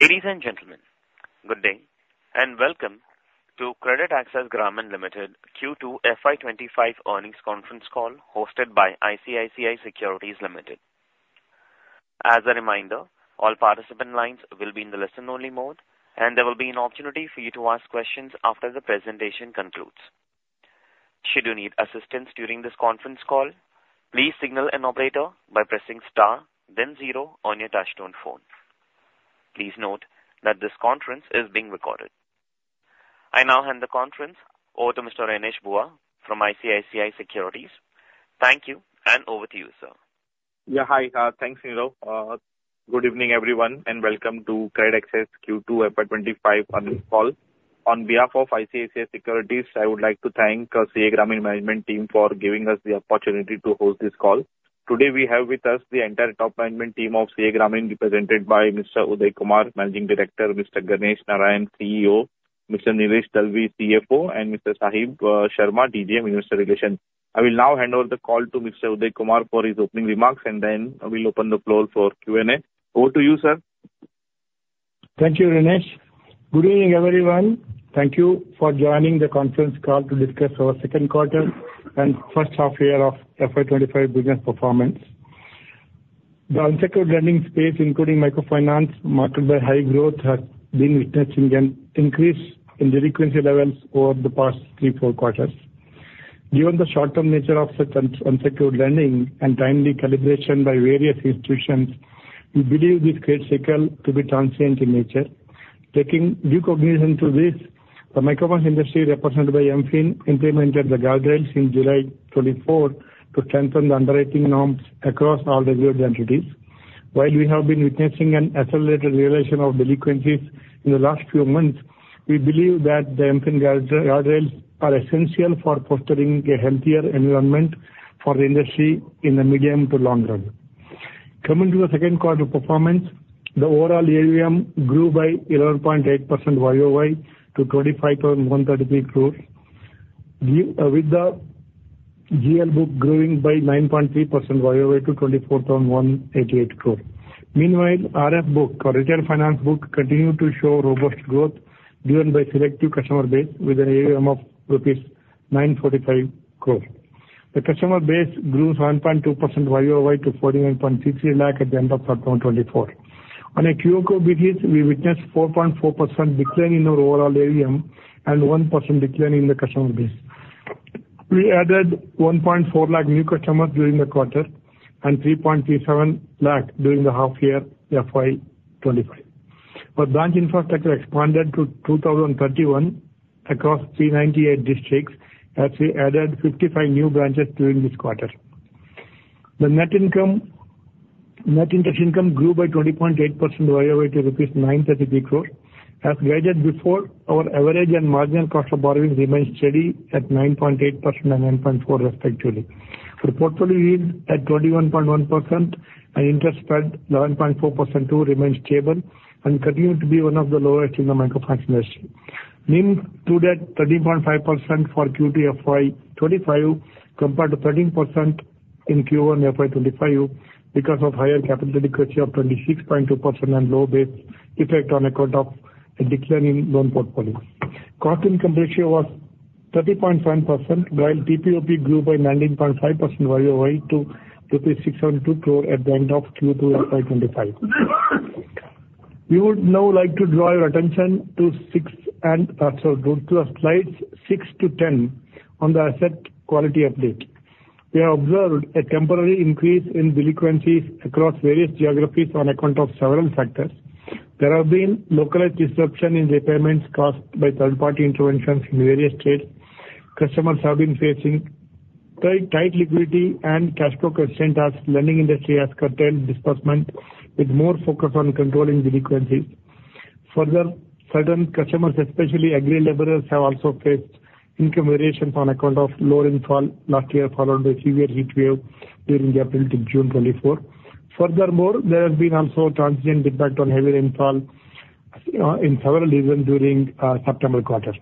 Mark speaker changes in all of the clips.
Speaker 1: Ladies and gentlemen, good day, and welcome to CreditAccess Grameen Limited Q2 FY25 earnings conference call, hosted by ICICI Securities Limited. As a reminder, all participant lines will be in the listen-only mode, and there will be an opportunity for you to ask questions after the presentation concludes. Should you need assistance during this conference call, please signal an operator by pressing star, then zero on your touchtone phone. Please note that this conference is being recorded. I now hand the conference over to Mr. Renish Bhuva from ICICI Securities. Thank you, and over to you, sir.
Speaker 2: Yeah, hi, thanks, Neerav. Good evening, everyone, and welcome to CreditAccess Q2 FY25 earnings call. On behalf of ICICI Securities, I would like to thank CA Grameen management team for giving us the opportunity to host this call. Today, we have with us the entire top management team of CA Grameen, represented by Mr. Uday Kumar, Managing Director, Mr. Ganesh Narayanan, CEO, Mr. Nilesh Dalvi, CFO, and Mr. Sahib Sharma, DGM, Investor Relations. I will now hand over the call to Mr. Uday Kumar for his opening remarks, and then we'll open the floor for Q&A. Over to you, sir.
Speaker 3: Thank you, Renish. Good evening, everyone. Thank you for joining the conference call to discuss our second quarter and first half year of FY25 business performance. The unsecured lending space, including microfinance, marked by high growth, has been witnessing an increase in delinquency levels over the past three, four quarters. Given the short-term nature of such unsecured lending and timely calibration by various institutions, we believe this credit cycle to be transient in nature. Taking due cognizance to this, the microfinance industry, represented by MFIN, implemented the guardrails in July 2024 to strengthen the underwriting norms across all the group entities. While we have been witnessing an accelerated realization of delinquencies in the last few months, we believe that the MFIN guardrails are essential for fostering a healthier environment for the industry in the medium to long run. Coming to the second quarter performance, the overall AUM grew by 11.8% YOY to 25,133 crore with the GL book growing by 9.3% YOY to 24,188 crore. Meanwhile, RF book, or retail finance book, continued to show robust growth, driven by selective customer base with an AUM of rupees 945 crore. The customer base grew 1.2% YOY to 49.63 lakh at the end of September 2024. On a QOQ basis, we witnessed 4.4% decline in our overall AUM and 1% decline in the customer base. We added 1.4 lakh new customers during the quarter and 3.37 lakh during the half year, FY 2025. Our branch infrastructure expanded to 2,031 across 398 districts, as we added 55 new branches during this quarter. The net income, net interest income grew by 20.8% YOY to rupees 933 crores. As guided before, our average and marginal cost of borrowing remains steady at 9.8% and 9.4% respectively. The portfolio yield at 21.1% and interest spread 11.4%, too, remains stable and continue to be one of the lowest in the microfinance industry. NIM stood at 13.5% for Q2 FY 2025, compared to 13% in Q1 FY 2025, because of higher capital adequacy of 26.2% and low base effect on account of a decline in loan portfolio. Core income ratio was 30.7%, while TPOP grew by 19.5% YOY to rupees 602 crore at the end of Q2 FY 2025. We would now like to draw your attention to six and, so go to slides six to ten on the asset quality update. We have observed a temporary increase in delinquencies across various geographies on account of several factors. There have been localized disruption in repayments caused by third-party interventions in various states. Customers have been facing tight liquidity and cash flow constraints, as lending industry has curtailed disbursement, with more focus on controlling delinquencies. Further, certain customers, especially agri-laborers, have also faced income variations on account of low rainfall last year, followed by severe heat wave during the April to June 2024. Furthermore, there has been also a transient impact on heavy rainfall in several regions during September quarter.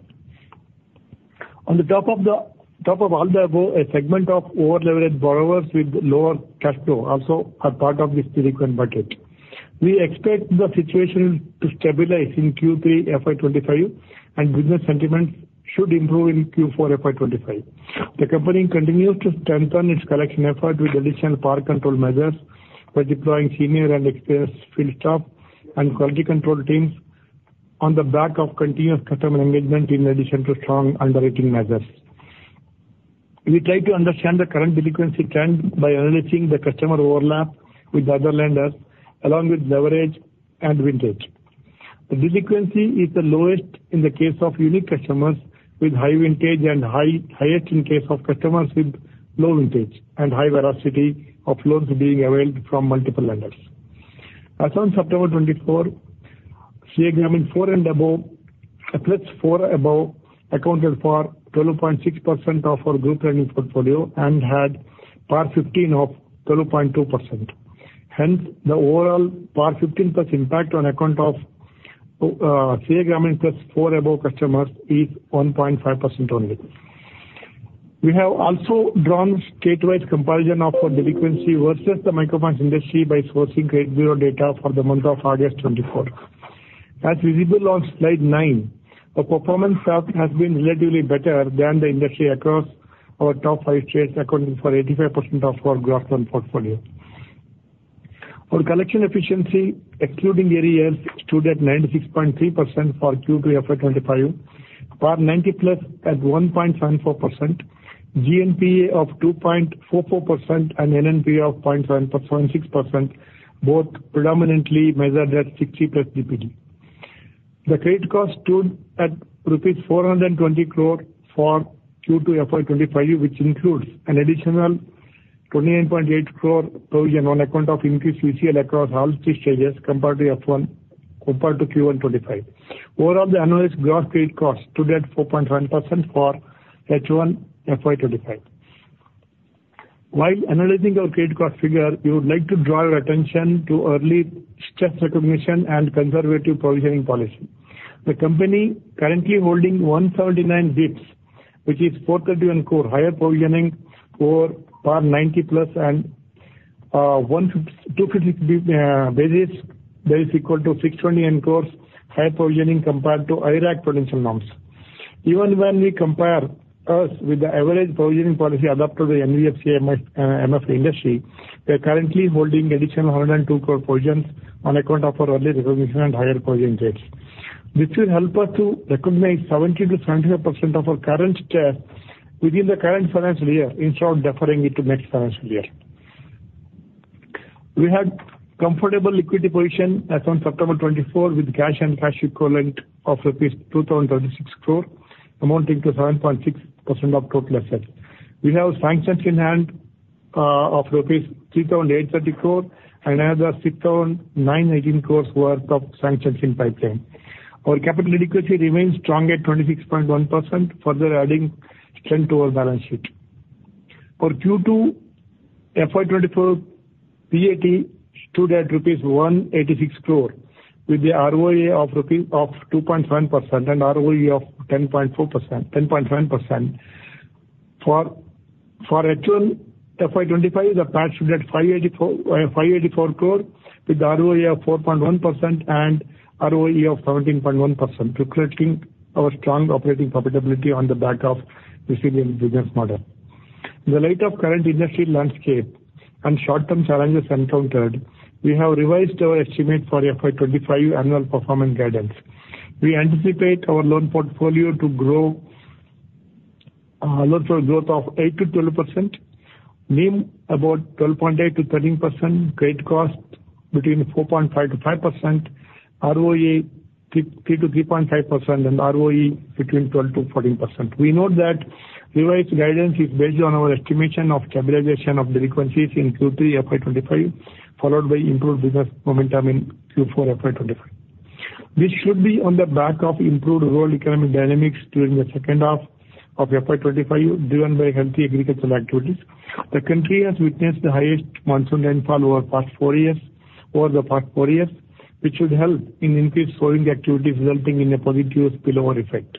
Speaker 3: On top of all the above, a segment of overleveraged borrowers with lower cash flow also are part of this delinquent bucket. We expect the situation to stabilize in Q3 FY25, and business sentiments should improve in Q4 FY25. The company continues to strengthen its collection effort with additional power control measures by deploying senior and experienced field staff and quality control teams on the back of continuous customer engagement, in addition to strong underwriting measures. We try to understand the current delinquency trend by analyzing the customer overlap with other lenders, along with leverage and vintage. The delinquency is the lowest in the case of unique customers with high vintage and highest in case of customers with low vintage and high velocity of loans being availed from multiple lenders. As on September 2024, CA Grameen four and above accounted for 12.6% of our group lending portfolio and had PAR fifteen of 12.2%. Hence, the overall PAR 15+ impact on account of CA Grameen plus four above customers is 1.5% only. We have also drawn statewide comparison of our delinquency versus the microfinance industry by sourcing credit bureau data for the month of August 2024. As visible on Slide 9, our performance has been relatively better than the industry across our top 5 states, accounting for 85% of our gross loan portfolio. Our collection efficiency, excluding arrears, stood at 96.3% for Q3 FY 2025, PAR 90+ at 1.74%, GNPA of 2.44% and NNPA of 0.76%, both predominantly measured at 60+ DPD. The credit cost stood at rupees 420 crore for Q2 FY 2025, which includes an additional 28.8 crore provision on account of increased ECL across all three stages compared to F1 - compared to Q1 2025. Overall, the annualized gross credit cost stood at 4.1% for H1 FY 2025. While analyzing our credit cost figure, we would like to draw your attention to early stress recognition and conservative provisioning policy. The company currently holding 179 basis points, which is 431 crore, higher provisioning for PAR 90+ and 150-250 basis points, that is equal to 621 crore, higher provisioning compared to IRAC prudential norms. Even when we compare us with the average provisioning policy adopted by NBFC-MFIs, MF industry, we are currently holding additional 102 crore provisions on account of our early recognition and higher provision rates. This will help us to recognize 70%-75% of our current share within the current financial year, instead of deferring it to next financial year. We had comfortable liquidity position as on September 2024, with cash and cash equivalent of rupees 2,036 crore, amounting to 7.6% of total assets. We have sanctions in hand of rupees 3,830 crore and another 6,918 crore worth of sanctions in pipeline. Our capital adequacy remains strong at 26.1%, further adding strength to our balance sheet. For Q2 FY 2025, PAT stood at INR 186 crore, with the ROA of 2.7% and ROE of 10.4% - 10.7%. For H1 FY 2025, the PAT stood at INR 584 crore, with the ROA of 4.1% and ROE of 17.1%, reflecting our strong operating profitability on the back of resilient business model. In the light of current industry landscape and short-term challenges encountered, we have revised our estimate for FY 2025 annual performance guidance. We anticipate our loan portfolio to grow, loan for growth of 8-12%, NIM about 12.8-13%, credit cost between 4.5-5%, ROA 3-3.5%, and ROE between 12-14%. We note that revised guidance is based on our estimation of stabilization of delinquencies in Q3 FY 2025, followed by improved business momentum in Q4 FY 2025. This should be on the back of improved rural economic dynamics during the second half of FY 2025, driven by healthy agricultural activities. The country has witnessed the highest monsoon rainfall over the past four years, which should help in increased sowing activities, resulting in a positive spillover effect.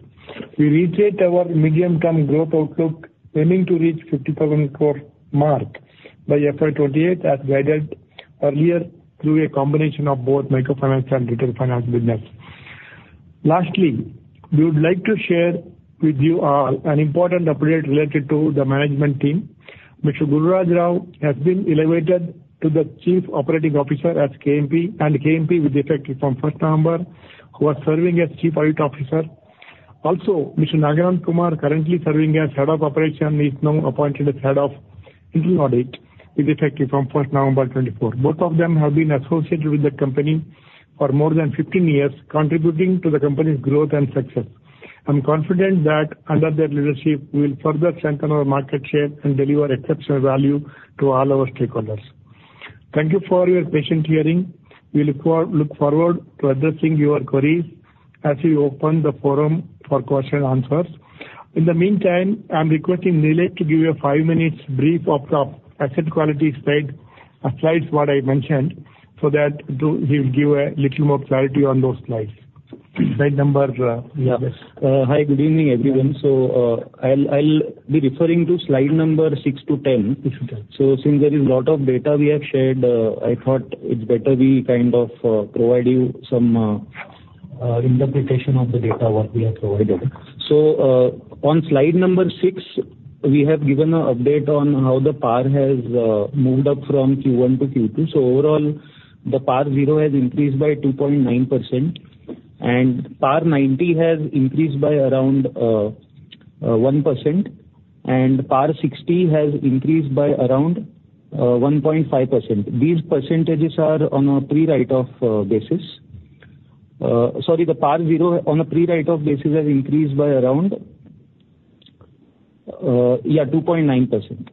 Speaker 3: We reiterate our medium-term growth outlook, aiming to reach 50,000 crore mark by FY 2028, as guided earlier, through a combination of both microfinance and retail finance business. Lastly, we would like to share with you, an important update related to the management team. Mr. Gururaj Rao has been elevated to the Chief Operating Officer as KMP with effect from first November, who was serving as Chief Audit Officer. Also, Mr. Nagaraj Kumar, currently serving as Head of Operation, is now appointed as Head of Internal Audit, with effect from first November 2024. Both of them have been associated with the company for more than fifteen years, contributing to the company's growth and success. I'm confident that under their leadership, we will further strengthen our market share and deliver exceptional value to all our stakeholders. Thank you for your patient hearing. We look for- look forward to addressing your queries as we open the forum for question and answers. In the meantime, I'm requesting Nilesh to give you a five-minute brief of the asset quality spread slides what I mentioned, so that to, he'll give a little more clarity on those slides. Slide number, yes.
Speaker 4: Hi, good evening, everyone. So, I'll be referring to slide number 6 to 10.
Speaker 3: You should go.
Speaker 4: So since there is a lot of data we have shared, I thought it's better we kind of provide you some interpretation of the data what we have provided. So on slide number six, we have given an update on how the PAR has moved up from Q1 to Q2. So overall, the PAR 0 has increased by 2.9%, and PAR 90 has increased by around 1%, and PAR 60 has increased by around 1.5%. These percentages are on a pre-write off basis. Sorry, the PAR 0 on a pre-write off basis has increased by around yeah 2.9%.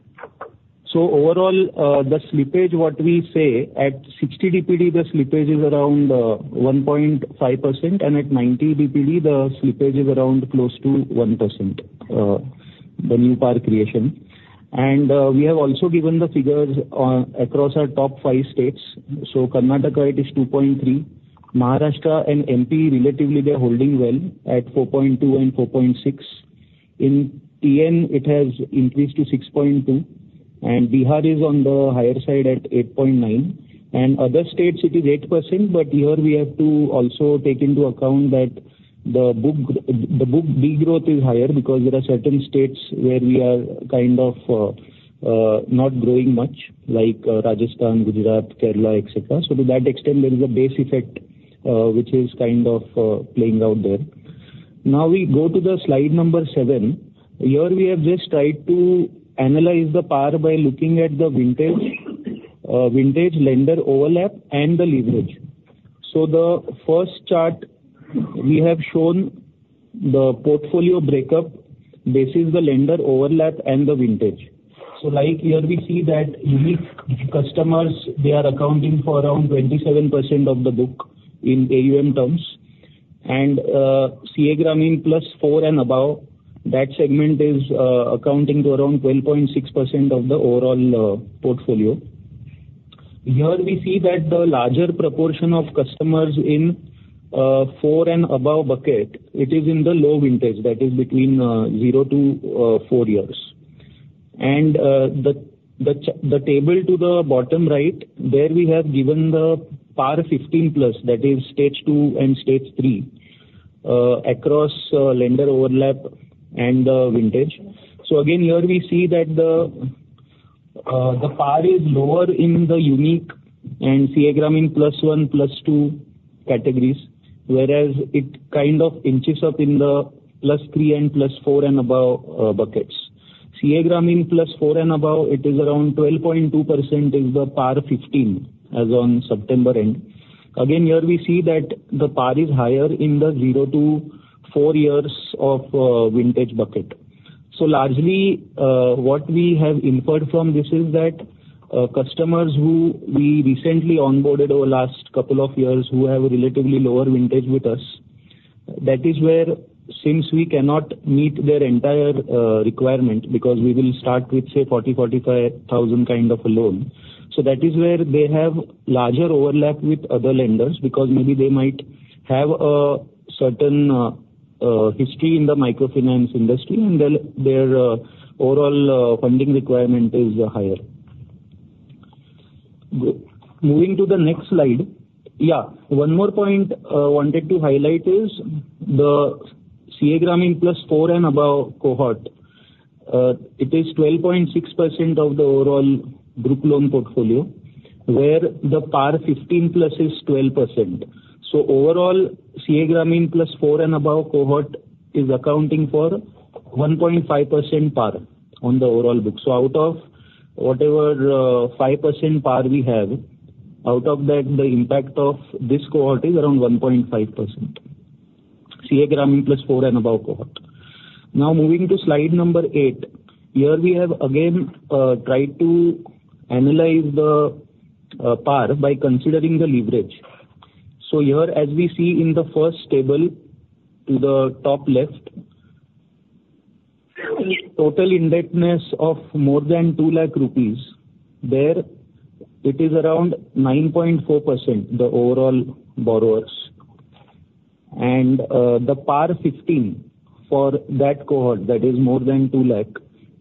Speaker 4: So overall, the slippage, what we say, at 60 DPD, the slippage is around 1.5%, and at 90 DPD, the slippage is around close to 1%, the new PAR creation. And we have also given the figures across our top five states. So Karnataka, it is 2.3%. Maharashtra and MP, relatively, they are holding well at 4.2% and 4.6%. In TN, it has increased to 6.2%, and Bihar is on the higher side at 8.9%. And other states, it is 8%, but here we have to also take into account that the book de-growth is higher because there are certain states where we are kind of not growing much, like Rajasthan, Gujarat, Kerala, et cetera. So to that extent, there is a base effect, which is kind of playing out there. Now we go to the slide number 7. Here, we have just tried to analyze the PAR by looking at the vintage lender overlap and the leverage. So the first chart we have shown the portfolio breakup basis the lender overlap and the vintage. So like here we see that unique customers, they are accounting for around 27% of the book in AUM terms. And, CA Grameen plus four and above, that segment is accounting to around 12.6% of the overall portfolio. Here we see that the larger proportion of customers in four and above bucket, it is in the low vintage, that is between zero to four years. The table to the bottom right, there we have given the PAR 15+, that is stage two and stage three, across lender overlap and the vintage. So again, here we see that the PAR is lower in the unique and CA Grameen plus one, plus two categories, whereas it kind of inches up in the plus three and plus four and above, buckets. CA Grameen plus four and above, it is around 12.2% is the PAR 15, as on September end. Again, here we see that the PAR is higher in the zero to four years of vintage bucket. So largely, what we have inferred from this is that customers who we recently onboarded over last couple of years, who have a relatively lower vintage with us, that is where since we cannot meet their entire requirement, because we will start with, say, 40-45 thousand kind of a loan. So that is where they have larger overlap with other lenders, because maybe they might have a certain history in the microfinance industry, and then their overall funding requirement is higher. Moving to the next slide. Yeah, one more point wanted to highlight is the CA Grameen plus 4 and above cohort. It is 12.6% of the overall group loan portfolio, where the PAR 15+ is 12%. Overall, CA Grameen plus four and above cohort is accounting for 1.5% PAR on the overall book. Out of whatever 5% PAR we have, out of that, the impact of this cohort is around 1.5%, CA Grameen plus four and above cohort. Now moving to slide number 8, here we have again tried to analyze the PAR by considering the leverage. Here, as we see in the first table to the top left, total indebtedness of more than 2 lakh rupees, there it is around 9.4%, the overall borrowers, and the PAR 15 for that cohort, that is more than 2 lakh,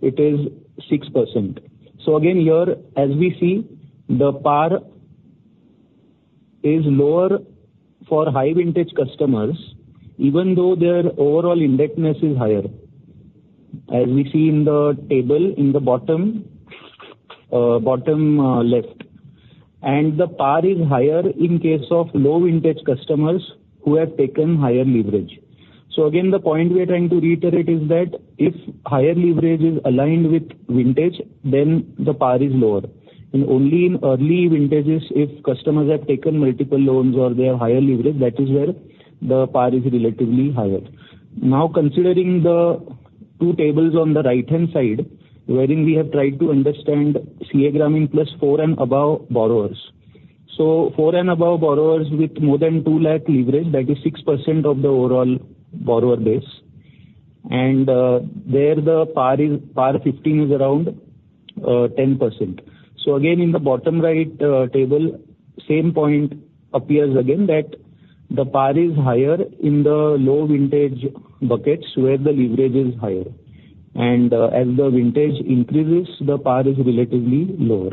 Speaker 4: it is 6%. So again, here, as we see, the PAR is lower for high-vintage customers, even though their overall indebtedness is higher, as we see in the table in the bottom left. And the PAR is higher in case of low-vintage customers who have taken higher leverage. So again, the point we are trying to reiterate is that if higher leverage is aligned with vintage, then the PAR is lower. And only in early vintages, if customers have taken multiple loans or they have higher leverage, that is where the PAR is relatively higher. Now, considering the two tables on the right-hand side, wherein we have tried to understand CA Grameen plus four and above borrowers. So four and above borrowers with more than two lakh leverage, that is 6% of the overall borrower base. And there the PAR is PAR 15 is around 10%. So again, in the bottom right table, same point appears again, that the PAR is higher in the low-vintage buckets, where the leverage is higher. And, as the vintage increases, the PAR is relatively lower.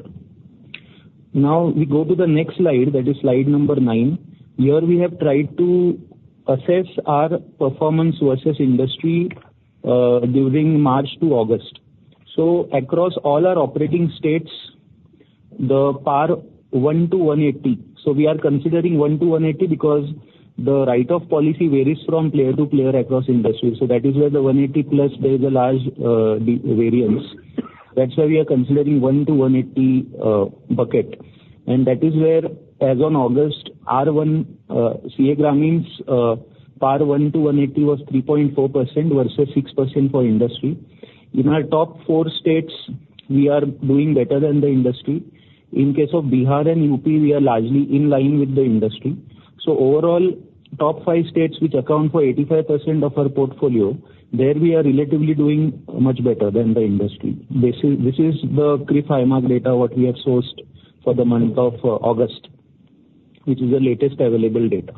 Speaker 4: Now, we go to the next slide, that is slide number nine. Here, we have tried to assess our performance versus industry during March to August. So across all our operating states, the PAR 1-180. So we are considering 1-180 because the write-off policy varies from player to player across industry. So that is where the 180 plus, there is a large variance. That's why we are considering 1-180 bucket, and that is where, as on August, our CA Grameen's PAR 1-180 was 3.4% versus 6% for industry. In our top four states, we are doing better than the industry. In case of Bihar and UP, we are largely in line with the industry. Overall, top five states which account for 85% of our portfolio, there we are relatively doing much better than the industry. This is the CRIF High Mark data what we have sourced for the month of August, which is the latest available data.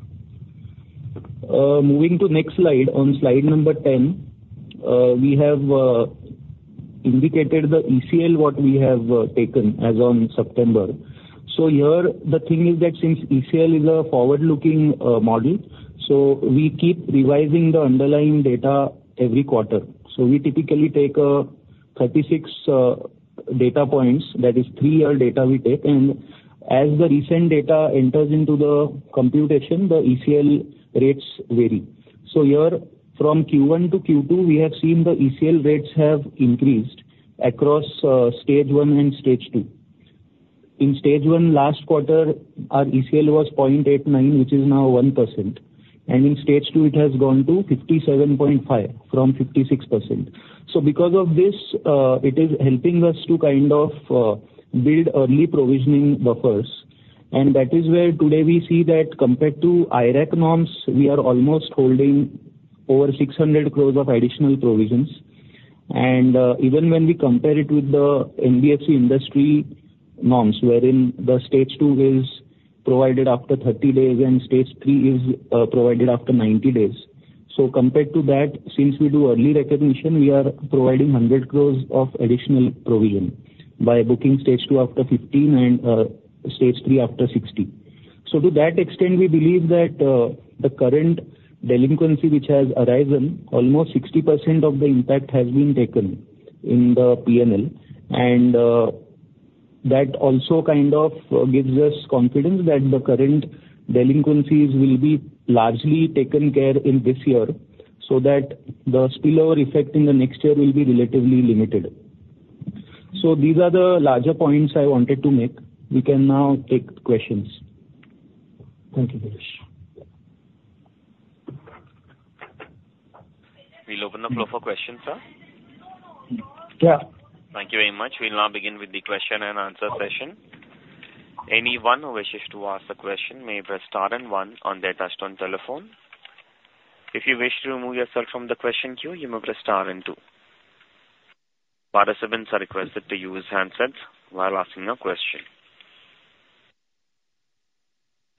Speaker 4: Moving to next slide. On slide number 10, we have indicated the ECL what we have taken as on September. Here the thing is that since ECL is a forward-looking model, we keep revising the underlying data every quarter. We typically take 36 data points, that is three-year data we take, and as the recent data enters into the computation, the ECL rates vary. So here, from Q1 to Q2, we have seen the ECL rates have increased across stage one and stage two. In stage one, last quarter, our ECL was 0.89%, which is now 1%, and in stage two, it has gone to 57.5% from 56%. So because of this, it is helping us to kind of build early provisioning buffers, and that is where today we see that compared to IRAC norms, we are almost holding over 600 crore of additional provisions. And even when we compare it with the NBFC industry norms, wherein the stage two is provided after 30 days and stage three is provided after 90 days. So compared to that, since we do early recognition, we are providing 100 crore of additional provision by booking stage two after 15 and stage three after 60. So to that extent, we believe that, the current delinquency which has arisen, almost 60% of the impact has been taken in the PNL. And, that also kind of gives us confidence that the current delinquencies will be largely taken care in this year, so that the spillover effect in the next year will be relatively limited. So these are the larger points I wanted to make. We can now take questions. Thank you, Nilesh.
Speaker 1: We'll open the floor for questions, sir.
Speaker 4: Yeah.
Speaker 1: Thank you very much. We'll now begin with the question and answer session. Anyone who wishes to ask a question may press star and one on their touchtone telephone. If you wish to remove yourself from the question queue, you may press star and two. Participants are requested to use handsets while asking a question.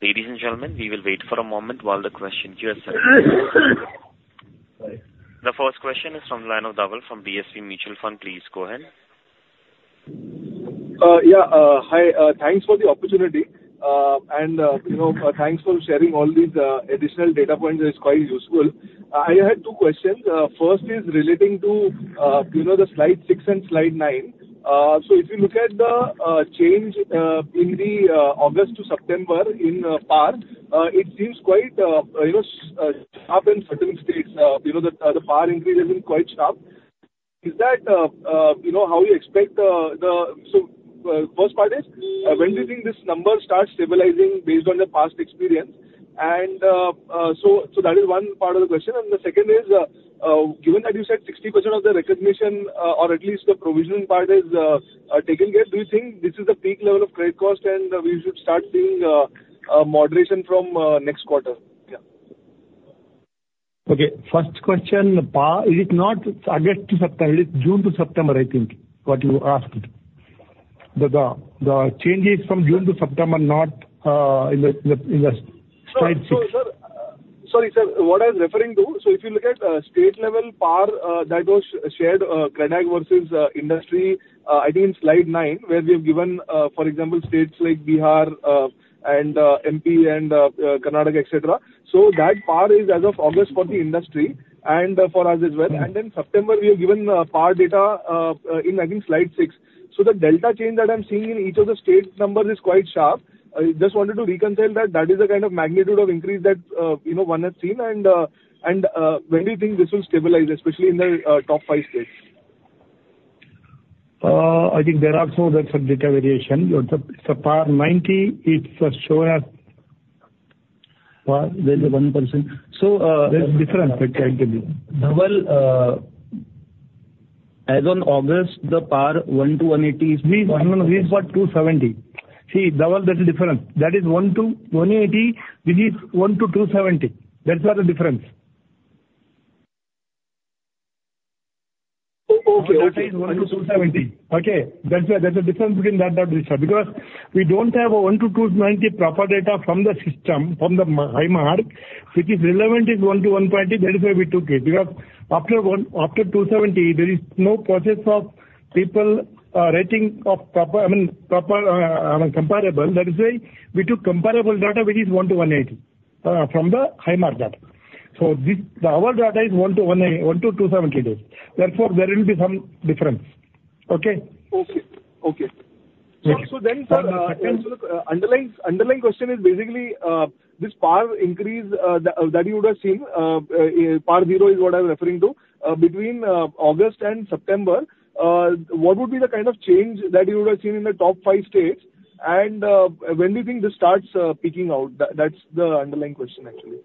Speaker 1: Ladies and gentlemen, we will wait for a moment while the question queues. The first question is from the line of Dhaval from DSP Mutual Fund. Please go ahead.
Speaker 5: Yeah, hi. Thanks for the opportunity. And, you know, thanks for sharing all these additional data points, it's quite useful. I had two questions. First is relating to, you know, the slide six and slide nine. So if you look at the change in the August to September in PAR, it seems quite, you know, sharp in certain states. You know, the PAR increase has been quite sharp. Is that how you expect the... So, first part is, when do you think this number starts stabilizing based on the past experience? And, so that is one part of the question. And the second is, given that you said 60% of the recognition, or at least the provisioning part is taken care, do you think this is a peak level of credit cost, and we should start seeing a moderation from next quarter? Yeah.
Speaker 4: Okay, first question, PAR, is it not August to September? It is June to September, I think, what you asked. The change is from June to September, not in the slide six.
Speaker 5: Sir, sorry, sir. What I was referring to, so if you look at state level PAR that was shared, CA Grameen versus industry. I think slide nine, where we have given, for example, states like Bihar and MP and Karnataka, et cetera. That PAR is as of August for the industry and for us as well. And then September, we have given PAR data in, I think, slide six. The delta change that I'm seeing in each of the state numbers is quite sharp. I just wanted to reconcile that that is the kind of magnitude of increase that, you know, one has seen. And when do you think this will stabilize, especially in the top five states?
Speaker 4: I think there are some data variation. So PAR 90, it's shown as... Well, there's one person. So, there's a difference, I can tell you.
Speaker 1: Dhaval, as on August, the PAR 1 to 180 is-
Speaker 4: No, no, we've got two seventy. See, Dhaval, that is different. That is 1-180, this is 1-270. That's what the difference.
Speaker 5: Oh, okay.
Speaker 4: That is 1-270. Okay? That's the difference between that research. Because we don't have a 1-290 proper data from the system, from the High Mark. It is relevant is 1-1.8, that is why we took it. Because after 1-270, there is no process of people rating of proper, I mean, proper comparable. That is why we took comparable data, which is 1-180 from the High Mark data. So this. Our data is 1-180-1-270 days. Therefore, there will be some difference. Okay?
Speaker 5: Okay, okay.
Speaker 4: Yeah.
Speaker 5: So then, sir, underlying question is basically this PAR increase that you would have seen. PAR 0 is what I'm referring to. Between August and September, what would be the kind of change that you would have seen in the top five states? And when do you think this starts peaking out? That's the underlying question actually....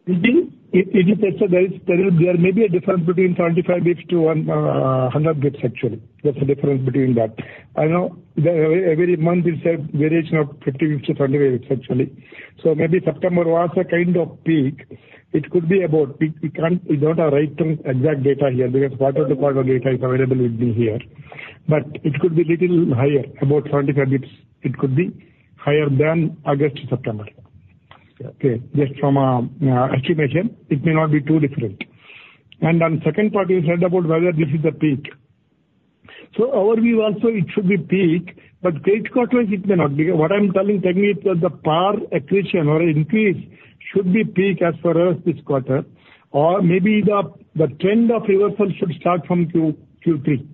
Speaker 3: If you say so, there is, there may be a difference between 75 basis points to 100 basis points, actually. There's a difference between that. I know the, every month is a variation of 50, 60, 70 basis points, actually. So maybe September was a kind of peak. It could be about peak. We can't, we don't have right term, exact data here, because quarter-to-quarter data is available with me here. But it could be little higher, about 25 basis points. It could be higher than August, September. Okay, just from a, estimation, it may not be too different. And then second part, you said about whether this is a peak. So our view also, it should be peak, but great quarters, it may not be. What I'm telling technically, is that the PAR accretion or increase should be peak as per us this quarter, or maybe the trend of reversal should start from Q3.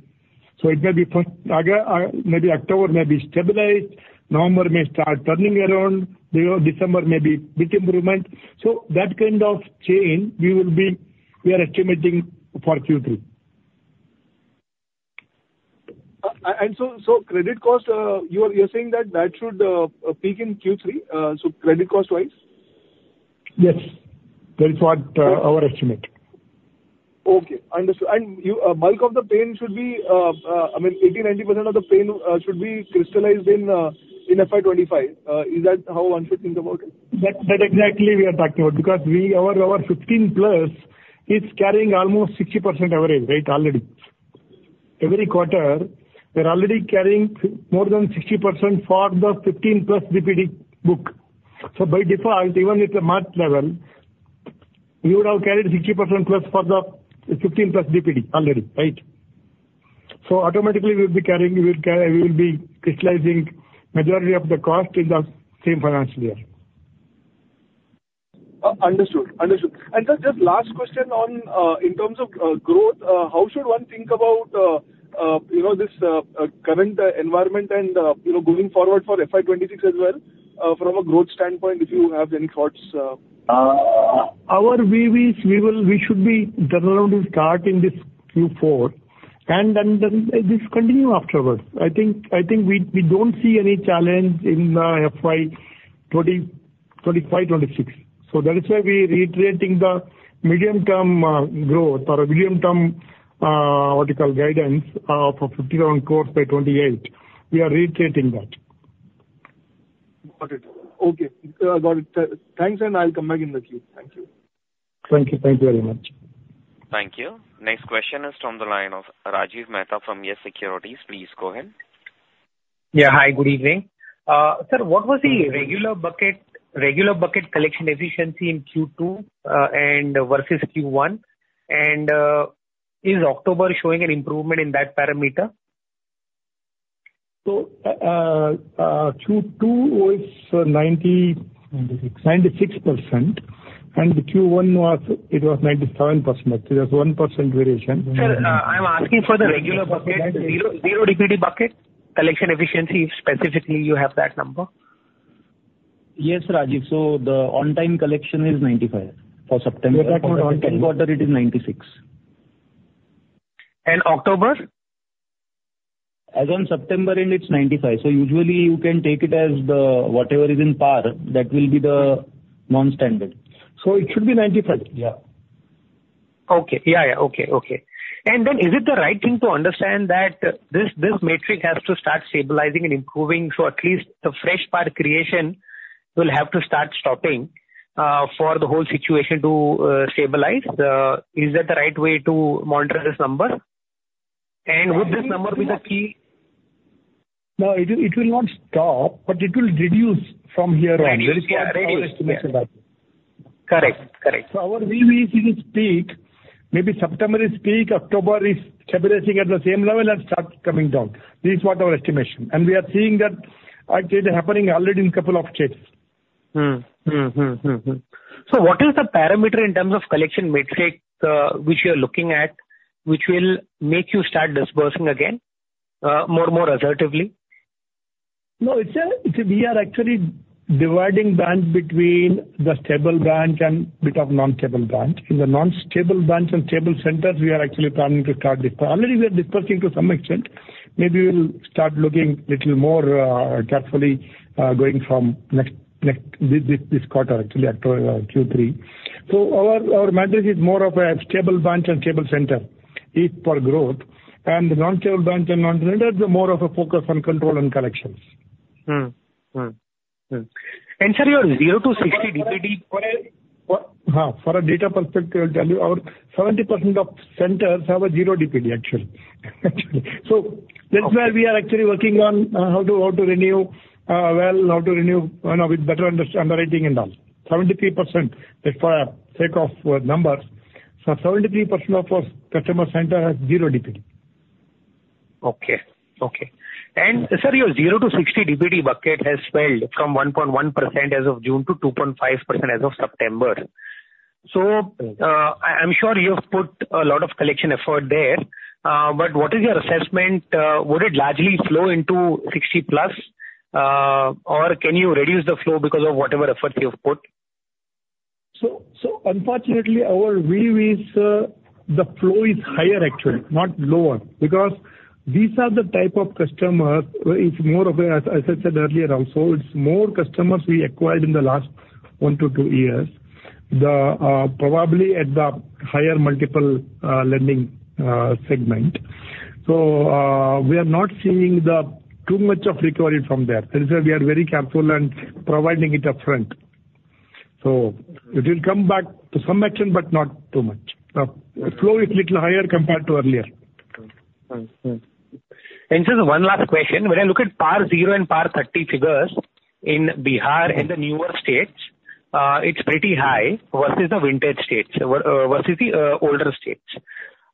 Speaker 3: So it may be first, August, maybe October may be stabilized, November may start turning around, you know, December may be big improvement. So that kind of change, we are estimating for Q3.
Speaker 5: So, credit costs, you're saying that should peak in Q3, so credit cost-wise?
Speaker 3: Yes. That is what our estimate.
Speaker 5: Okay. And you, bulk of the pain should be, I mean, 80%-90% of the pain should be crystallized in FY25. Is that how one should think about it?
Speaker 3: That exactly we are talking about, because our 15+ is carrying almost 60% average rate already. Every quarter, we're already carrying more than 60% for the 15+ DPD book. So by default, even if the March level, you would have carried 60% plus for the 15+ DPD already, right? So automatically, we'll be carrying. We will be crystallizing majority of the cost in the same financial year.
Speaker 5: Understood. Understood. And, sir, just last question on, in terms of, growth, how should one think about, you know, this current environment and, you know, going forward for FY 2026 as well, from a growth standpoint, if you have any thoughts?
Speaker 3: Our view is we will, we should be turnaround and start in this Q4, and then this continue afterwards. I think we don't see any challenge in FY 2025, 2026. So that is why we are reiterating the medium-term growth or a medium-term, what you call, guidance for 50,000 crore by 2028. We are reiterating that.
Speaker 5: Got it. Okay, got it. Thanks, and I'll come back in the queue. Thank you.
Speaker 3: Thank you. Thank you very much.
Speaker 1: Thank you. Next question is from the line of Rajiv Mehta from YES Securities. Please go ahead.
Speaker 6: Yeah. Hi, good evening. Sir, what was the regular bucket collection efficiency in Q2, and versus Q1? And, is October showing an improvement in that parameter?
Speaker 3: So, Q2 was ninety-
Speaker 4: Ninety-six.
Speaker 3: 96%, and Q1 was, it was 97%. So there's 1% variation.
Speaker 6: Sir, I'm asking for the regular bucket, zero, zero DPD bucket collection efficiency, specifically, you have that number?
Speaker 4: Yes, Rajiv. So the on-time collection is 95% for September quarter, it is 96%.
Speaker 6: And October?
Speaker 4: As on September, and it's 95. So usually you can take it as the... whatever is in PAR, that will be the non-standard.
Speaker 3: So it should be ninety-five. Yeah.
Speaker 6: Okay. Yeah, yeah, okay, okay, and then, is it the right thing to understand that this, this metric has to start stabilizing and improving, so at least the fresh PAR creation will have to start stopping, for the whole situation to stabilize? Is that the right way to monitor this number? And would this number be the key?
Speaker 3: No, it will, it will not stop, but it will reduce from here on.
Speaker 6: Correct. Correct.
Speaker 3: Our view is peak, maybe September is peak, October is stabilizing at the same level and start coming down. This is what our estimation. We are seeing that actually happening already in a couple of states.
Speaker 6: Hmm. Mm-hmm, mm-hmm. So what is the parameter in terms of collection metrics, which you are looking at, which will make you start disbursing again, more and more assertively?
Speaker 3: No, we are actually dividing branches between the stable branches and a bit of non-stable branches. In the non-stable branches and stable centers, we are actually planning to start this. Already we are disbursing to some extent. Maybe we'll start looking a little more carefully, going from next quarter, actually, October Q3. So our metric is more of a stable branch and stable center for growth, and the non-stable branch and non-stable center is more of a focus on control and collections.
Speaker 6: And, sir, your zero to sixty DPD for a-
Speaker 3: From a data perspective, our 70% of centers have a zero DPD, actually. So that's where we are actually working on how to renew with better understanding and all. 73%, just for the sake of numbers. So 73% of our centers have zero DPD.
Speaker 6: Okay. Okay. And, sir, your zero to sixty DPD bucket has swelled from 1.1% as of June to 2.5% as of September. So, I'm sure you've put a lot of collection effort there, but what is your assessment? Would it largely flow into 60+, or can you reduce the flow because of whatever efforts you've put?
Speaker 3: So, unfortunately, our view is the flow is higher actually, not lower, because these are the type of customers. It's more of a, as I said earlier also, it's more customers we acquired in the last one to two years. The probably at the higher multiple lending segment. So, we are not seeing too much of recovery from there. That is why we are very careful and providing it upfront. So it will come back to some action, but not too much. The flow is little higher compared to earlier.
Speaker 6: Mm-hmm. And just one last question. When I look at PAR 0 and PAR 30 figures in Bihar and the newer states, it's pretty high versus the vintage states versus the older states.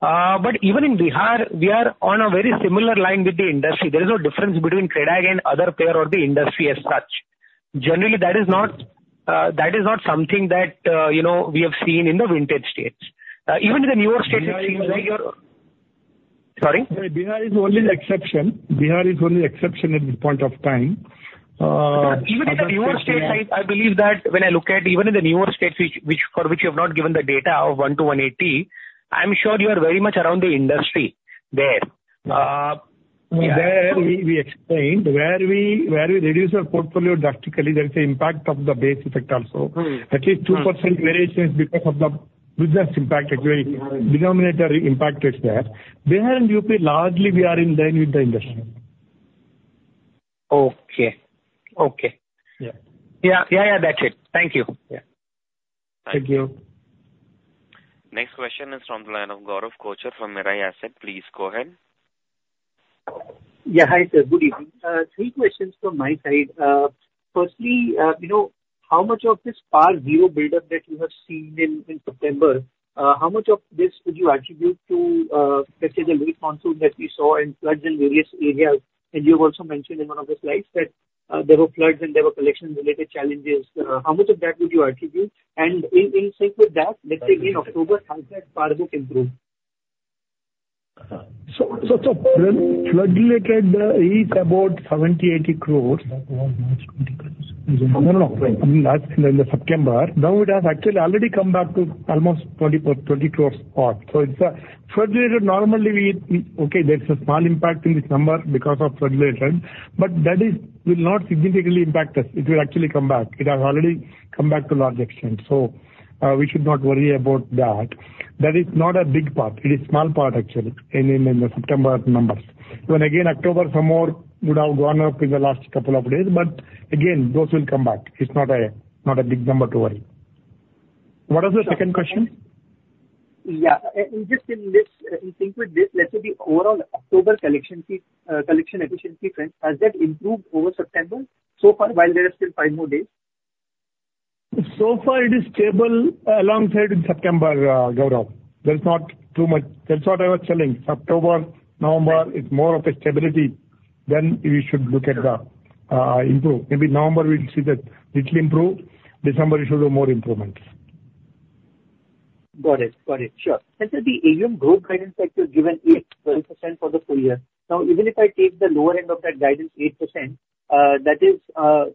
Speaker 6: But even in Bihar, we are on a very similar line with the industry. There is no difference between CreditAccess and other player or the industry as such. Generally, that is not something that you know, we have seen in the vintage states. Even in the newer states, it seems like you're-
Speaker 3: Bihar is-
Speaker 6: Sorry?
Speaker 3: Bihar is only the exception. Bihar is only the exception at this point of time.
Speaker 6: Even in the newer states, I believe that when I look at even in the newer states, which, for which you have not given the data of 1 to 180, I'm sure you are very much around the industry there. Yeah.
Speaker 3: There we explained where we reduced our portfolio drastically. There is an impact of the base effect also.
Speaker 6: Mm-hmm.
Speaker 3: That is 2% variations because of the business impact, actually, denominator impact is there. Bihar and UP, largely we are in line with the industry.
Speaker 6: Okay. Okay.
Speaker 3: Yeah.
Speaker 6: Yeah, yeah, yeah, that's it. Thank you.
Speaker 3: Yeah. Thank you.
Speaker 1: Next question is from the line of Gaurav Kochar from Mirae Asset. Please go ahead.
Speaker 7: Yeah. Hi, sir. Good evening. Three questions from my side. Firstly, you know, how much of this PAR 0 buildup that you have seen in, in September, how much of this would you attribute to, let's say, the late monsoon that we saw and floods in various areas? And you have also mentioned in one of the slides that, there were floods and there were collection-related challenges. How much of that would you attribute? And in, in sync with that, let's say in October, how does PAR 0 improve?
Speaker 3: Flood-related is about INR 70-80 crores.
Speaker 4: That was last twenty crores.
Speaker 3: No, no, no. In the last, in the September. Now it has actually already come back to almost 24-20 crores part. So it's flood-related. Okay, there's a small impact in this number because of flood-related, but that is will not significantly impact us. It will actually come back. It has already come back to a large extent, so we should not worry about that. That is not a big part. It is small part, actually, in the September numbers. When, again, October, some more would have gone up in the last couple of days, but again, those will come back. It's not a big number to worry. What was the second question?
Speaker 7: Yeah, just in this, in sync with this, let's say the overall October collection efficiency trend, has that improved over September so far, while there are still five more days?
Speaker 4: So far it is stable alongside in September, Gaurav. There's not too much. That's what I was telling. October, November, it's more of a stability than we should look at the, improve. Maybe November we'll see that little improve. December should have more improvements.
Speaker 7: Got it. Got it. Sure. And so the AUM growth guidance that you've given is 12% for the full year. Now, even if I take the lower end of that guidance, 8%, that is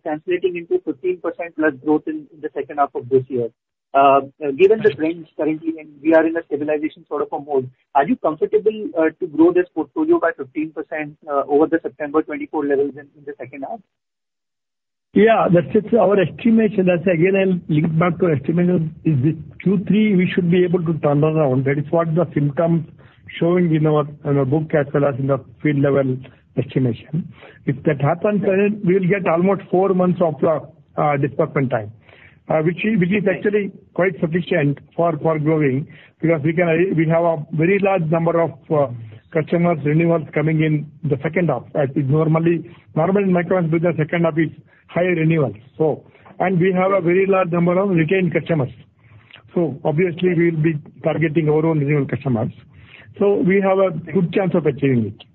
Speaker 7: translating into 15% plus growth in the second half of this year. Given the trends currently, and we are in a stabilization sort of a mode, are you comfortable to grow this portfolio by 15% over the September 2024 levels in the second half?
Speaker 3: Yeah, that is our estimation. That's again, I'll link back to estimation. In the Q3, we should be able to turn around. That is what the symptoms showing in our book as well as in the field level estimation. If that happens, then we will get almost four months of the disbursement time, which is actually quite sufficient for growing, because we can, we have a very large number of customers renewals coming in the second half. Normally in microfinance business, second half is high renewal, so. And we have a very large number of retained customers. So obviously, we will be targeting our own renewal customers. So we have a good chance of achieving it.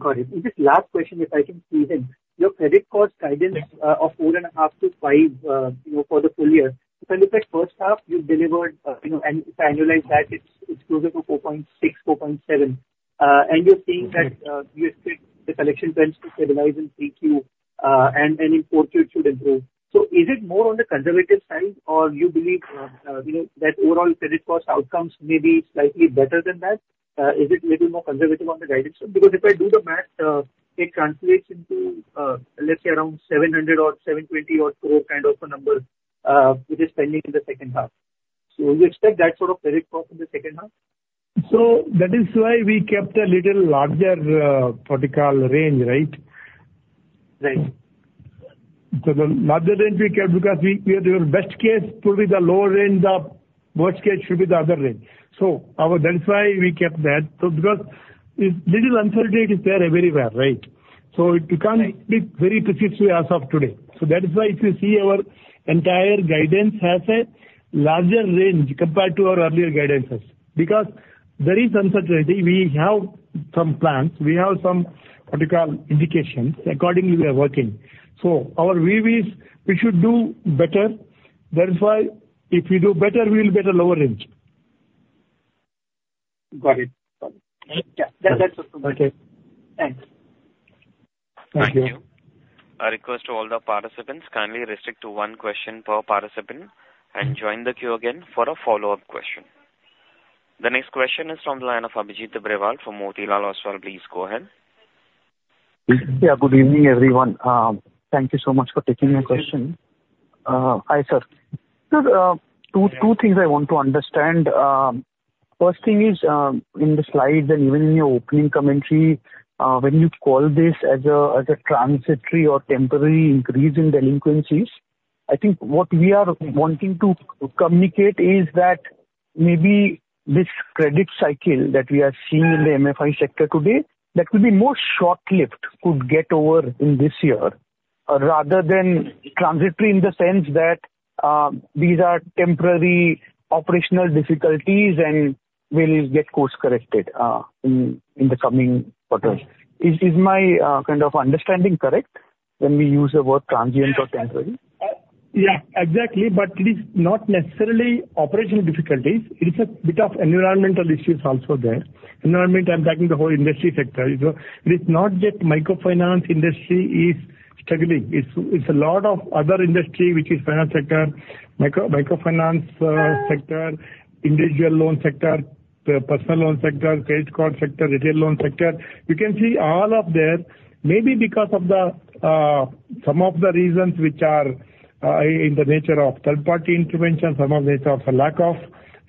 Speaker 7: Got it. Just last question, if I can squeeze in. Your credit cost guidance of 4.5-5%, you know, for the full year. So in the first half, you delivered, you know, and if I annualize that, it's closer to 4.6, 4.7%. And you're saying that you expect the collection trends to stabilize in 3Q, and in 4Q it should improve. So is it more on the conservative side, or you believe, you know, that overall credit cost outcomes may be slightly better than that? Is it maybe more conservative on the guidance? Because if I do the math, it translates into, let's say around 700 or 720 or 740 kind of a number, which is provisioning in the second half. So you expect that sort of credit cost in the second half?
Speaker 3: So that is why we kept a little larger, what you call, range, right?
Speaker 7: Right.
Speaker 3: The larger range we kept because we are. The best case will be the lower range, the worst case should be the other range. That's why we kept that. Because this little uncertainty is there everywhere, right? You can't-
Speaker 7: Right.
Speaker 3: be very precise as of today. So that is why if you see our entire guidance has a larger range compared to our earlier guidances. Because there is uncertainty, we have some plans, we have some, what you call, indications. Accordingly, we are working. So our view is we should do better. That is why if we do better, we will get a lower range.
Speaker 7: Got it. Got it.
Speaker 3: Yeah.
Speaker 7: Yeah, that's it.
Speaker 3: Okay.
Speaker 7: Thanks.
Speaker 3: Thank you.
Speaker 1: A request to all the participants, kindly restrict to one question per participant, and join the queue again for a follow-up question. The next question is from the line of Abhijit Tibrewal from Motilal Oswal. Please go ahead....
Speaker 8: Yeah, good evening, everyone. Thank you so much for taking my question. Hi, sir. Sir, two things I want to understand. First thing is, in the slides and even in your opening commentary, when you call this as a transitory or temporary increase in delinquencies, I think what we are wanting to communicate is that maybe this credit cycle that we are seeing in the MFI sector today, that will be more short-lived, could get over in this year, rather than transitory in the sense that these are temporary operational difficulties and will get course-corrected in the coming quarters. Is my kind of understanding correct when we use the word transient or temporary?
Speaker 3: Yeah, exactly, but it is not necessarily operational difficulties. It is a bit of environmental issues also there. Environment, I'm talking the whole industry sector. It's not just microfinance industry is struggling. It's a lot of other industry which is finance sector, microfinance sector, individual loan sector, the personal loan sector, credit card sector, retail loan sector. You can see all of that, maybe because of the some of the reasons which are in the nature of third-party intervention, some of nature of lack of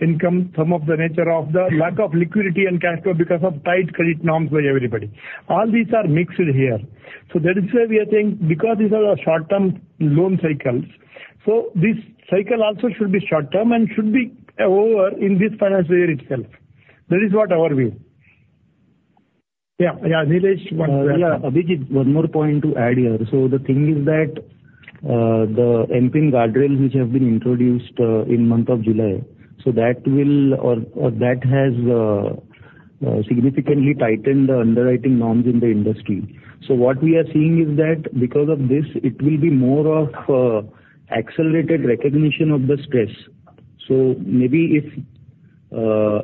Speaker 3: income, some of the nature of the lack of liquidity and capital because of tight credit norms by everybody. All these are mixed here. So that is why we are saying, because these are short-term loan cycles, so this cycle also should be short-term and should be over in this financial year itself. That is what our view. Yeah, yeah, Nilesh?
Speaker 4: Yeah, Abhijit, one more point to add here. So the thing is that, the MFIN guardrail which have been introduced, in month of July, so that will or that has, significantly tightened the underwriting norms in the industry. So what we are seeing is that because of this, it will be more of accelerated recognition of the stress. So maybe,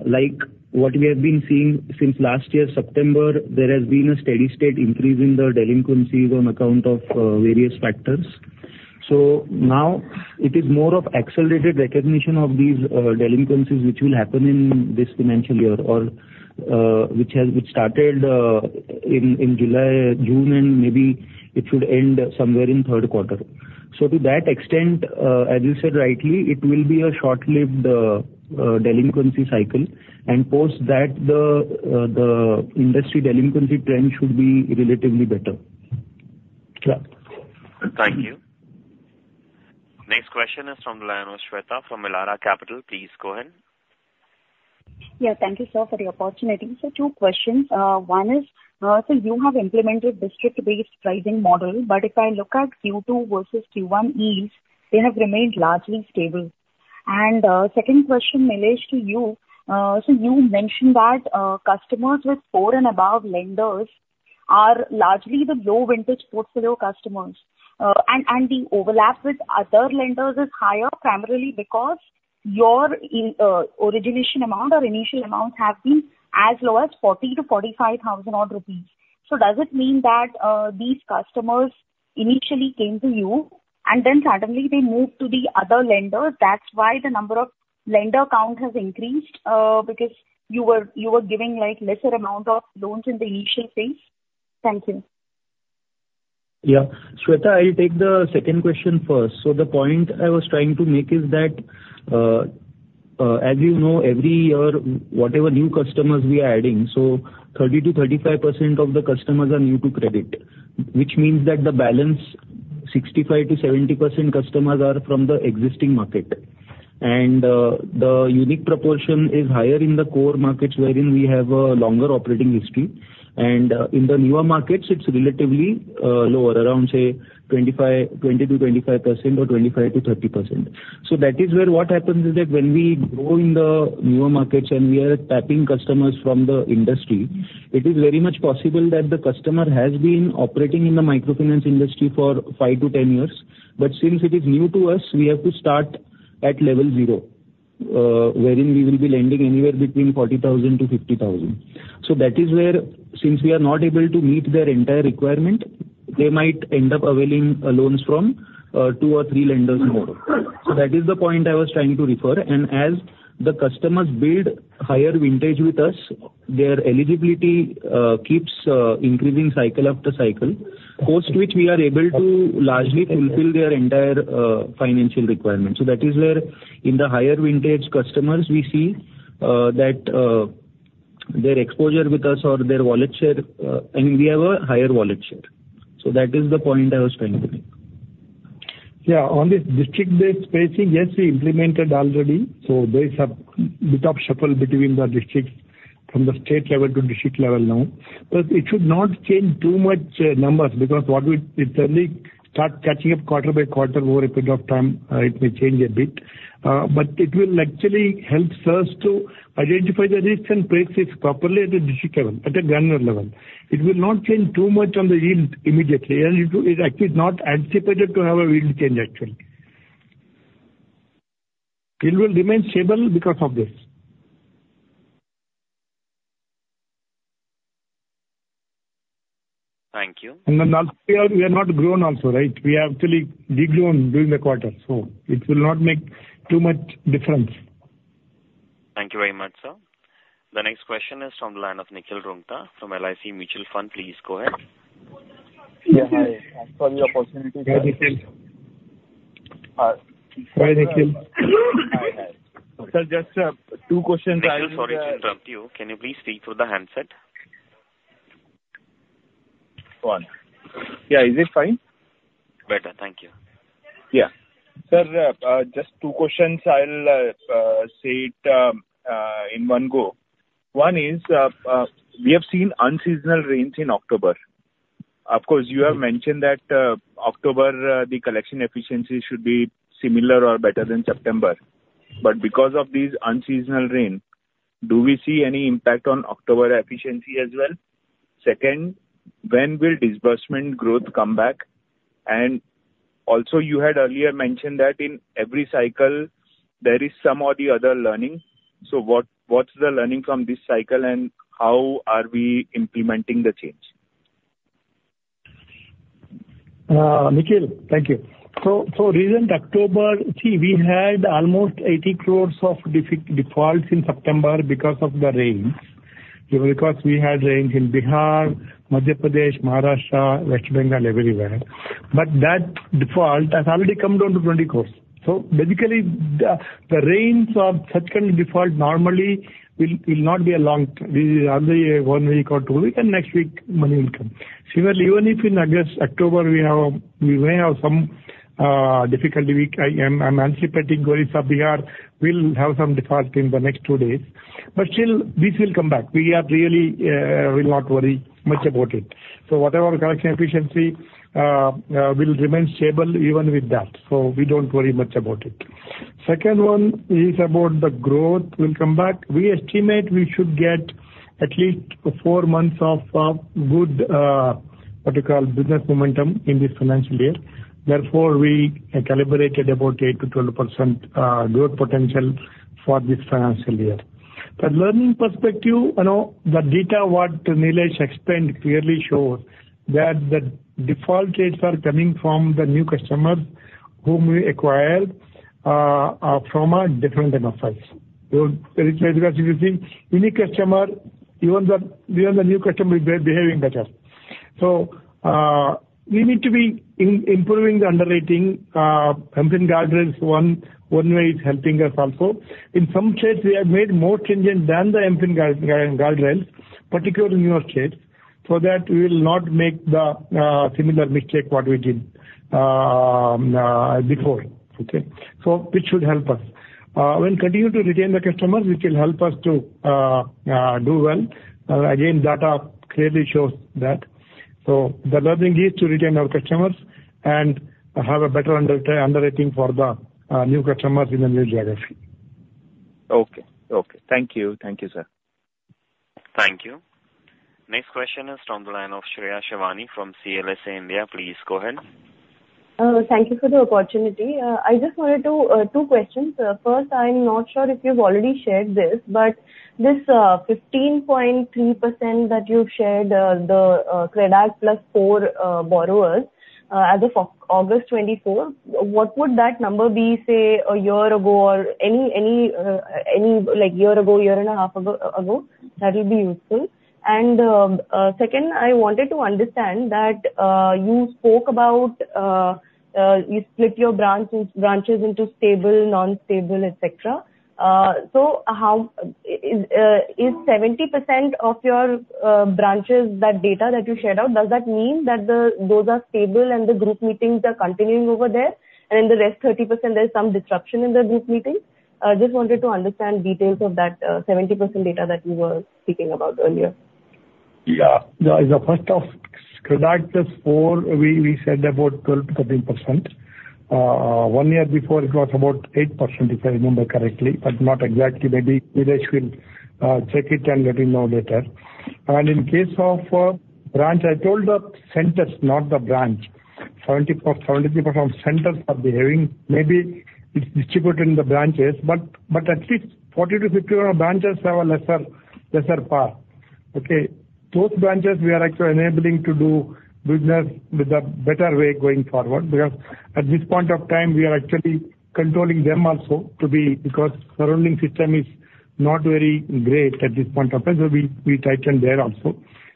Speaker 4: like what we have been seeing since last year, September, there has been a steady state increase in the delinquencies on account of, various factors. So now it is more of accelerated recognition of these, delinquencies, which will happen in this financial year or, which has, which started, in July, June, and maybe it should end somewhere in third quarter. So to that extent, as you said rightly, it will be a short-lived delinquency cycle, and post that, the industry delinquency trend should be relatively better.
Speaker 3: Yeah.
Speaker 1: Thank you. Next question is from Shweta from Elara Capital. Please go ahead.
Speaker 9: Yeah, thank you, sir, for the opportunity. So two questions. One is, so you have implemented district-based pricing model, but if I look at Q2 versus Q1's, they have remained largely stable. And, second question, Nilesh, to you. So you mentioned that, customers with four and above lenders are largely the low-vintage portfolio customers, and, and the overlap with other lenders is higher, primarily because your initial origination amount or initial amount has been as low as 40,000-45,000 odd rupees. So does it mean that, these customers initially came to you and then suddenly they moved to the other lenders, that's why the number of lender count has increased? Because you were, you were giving, like, lesser amount of loans in the initial phase. Thank you.
Speaker 4: Yeah. Shweta, I'll take the second question first. So the point I was trying to make is that, as you know, every year, whatever new customers we are adding, so 30%-35% of the customers are new to credit, which means that the balance, 65%-70% customers are from the existing market. And, the unique proportion is higher in the core markets wherein we have a longer operating history, and, in the newer markets, it's relatively, lower, around, say, 25, 20%-25% or 25%-30%. So that is where what happens is that when we grow in the newer markets and we are tapping customers from the industry, it is very much possible that the customer has been operating in the microfinance industry for five to ten years, but since it is new to us, we have to start at level zero, wherein we will be lending anywhere between forty thousand to fifty thousand. So that is where, since we are not able to meet their entire requirement, they might end up availing loans from two or three lenders more. So that is the point I was trying to refer, and as the customers build higher vintage with us, their eligibility keeps increasing cycle after cycle, post which we are able to largely fulfill their entire financial requirement. So that is where, in the higher vintage customers, we see that their exposure with us or their wallet share, and we have a higher wallet share. So that is the point I was trying to make.
Speaker 3: Yeah, on this district-based pricing, yes, we implemented already, so there is a bit of shuffle between the districts from the state level to district level now. But it should not change too much numbers, because it's only start catching up quarter by quarter over a period of time, it may change a bit, but it will actually helps us to identify the risk and price it properly at a district level, at a granular level. It will not change too much on the yield immediately, and it will... It's actually not anticipated to have a yield change, actually. It will remain stable because of this.
Speaker 1: Thank you.
Speaker 3: And then last year we have not grown also, right? We have actually degrown during the quarter, so it will not make too much difference.
Speaker 1: ...Thank you very much, sir. The next question is from the line of Nikhil Rungta from LIC Mutual Fund. Please go ahead.
Speaker 10: Yeah, hi. Thanks for the opportunity.
Speaker 3: Hi, Nikhil.
Speaker 10: Hi.
Speaker 3: Hi, Nikhil.
Speaker 10: Hi, hi. Sir, just two questions I will-
Speaker 1: Nikhil, sorry to interrupt you. Can you please speak through the handset?
Speaker 10: Go on. Yeah, is it fine?
Speaker 1: Better. Thank you.
Speaker 10: Yeah. Sir, just two questions. I'll say it in one go. One is, we have seen unseasonal rains in October. Of course, you have mentioned that, October, the collection efficiency should be similar or better than September. But because of these unseasonal rain, do we see any impact on October efficiency as well? Second, when will disbursement growth come back? And also, you had earlier mentioned that in every cycle there is some or the other learning, so what's the learning from this cycle, and how are we implementing the change?
Speaker 3: Nikhil, thank you. So recent October, we had almost 80 crores of defaults in September because of the rains. Because we had rains in Bihar, Madhya Pradesh, Maharashtra, West Bengal, everywhere. But that default has already come down to 20 crores. So basically, the rains of such kind of default normally will not be a long term. This is only one week or two week, and next week money will come. Similarly, even if in August, October, we may have some difficulty week. I'm anticipating Odisha, Bihar will have some default in the next two days. But still this will come back. We are really will not worry much about it. So whatever collection efficiency will remain stable even with that, so we don't worry much about it. Second one is about the growth will come back. We estimate we should get at least four months of good, what you call, business momentum in this financial year. Therefore, we calibrated about 8-12% growth potential for this financial year. The lending perspective, you know, the data, what Nilesh explained, clearly show that the default rates are coming from the new customers whom we acquired from a different profiles. So, because if you see any customer, even the new customer is behaving better. So, we need to be improving the underwriting. In guardrails, one way is helping us also. In some cases, we have made more changes than the MFIN guardrails, particularly in your case, so that we will not make the similar mistake what we did before, okay? So it should help us. We'll continue to retain the customers, which will help us to do well. Again, data clearly shows that. So the learning is to retain our customers and have a better underwriting for the new customers in the new geography.
Speaker 10: Okay. Okay. Thank you. Thank you, sir.
Speaker 1: Thank you. Next question is from the line of Shreya Shivani from CLSA India. Please go ahead.
Speaker 11: Thank you for the opportunity. I just wanted to, two questions. First, I'm not sure if you've already shared this, but this, 15.3% that you've shared, the CRIF plus four, borrowers, as of August twenty-fourth, what would that number be, say, a year ago or any, like year ago, year and a half ago? That would be useful, and second, I wanted to understand that, you spoke about, you split your branch, branches into stable, non-stable, et cetera. So, how is 70% of your, branches, that data that you shared out, does that mean that the, those are stable and the group meetings are continuing over there, and the rest 30%, there's some disruption in the group meetings? Just wanted to understand details of that 70% data that you were speaking about earlier.
Speaker 3: Yeah. The first of CA Grameen plus four, we said about 12-13%. One year before, it was about 8%, if I remember correctly, but not exactly. Maybe Nilesh will check it and let me know later. And in case of branch, I told the centers, not the branch. 70% of centers are behaving, maybe it's distributed in the branches, but at least 40-50 of our branches have a lesser PAR, okay? Those branches we are actually enabling to do business with a better way going forward, because at this point of time, we are actually controlling them also because surrounding system is not very great at this point of time, so we tightened there also.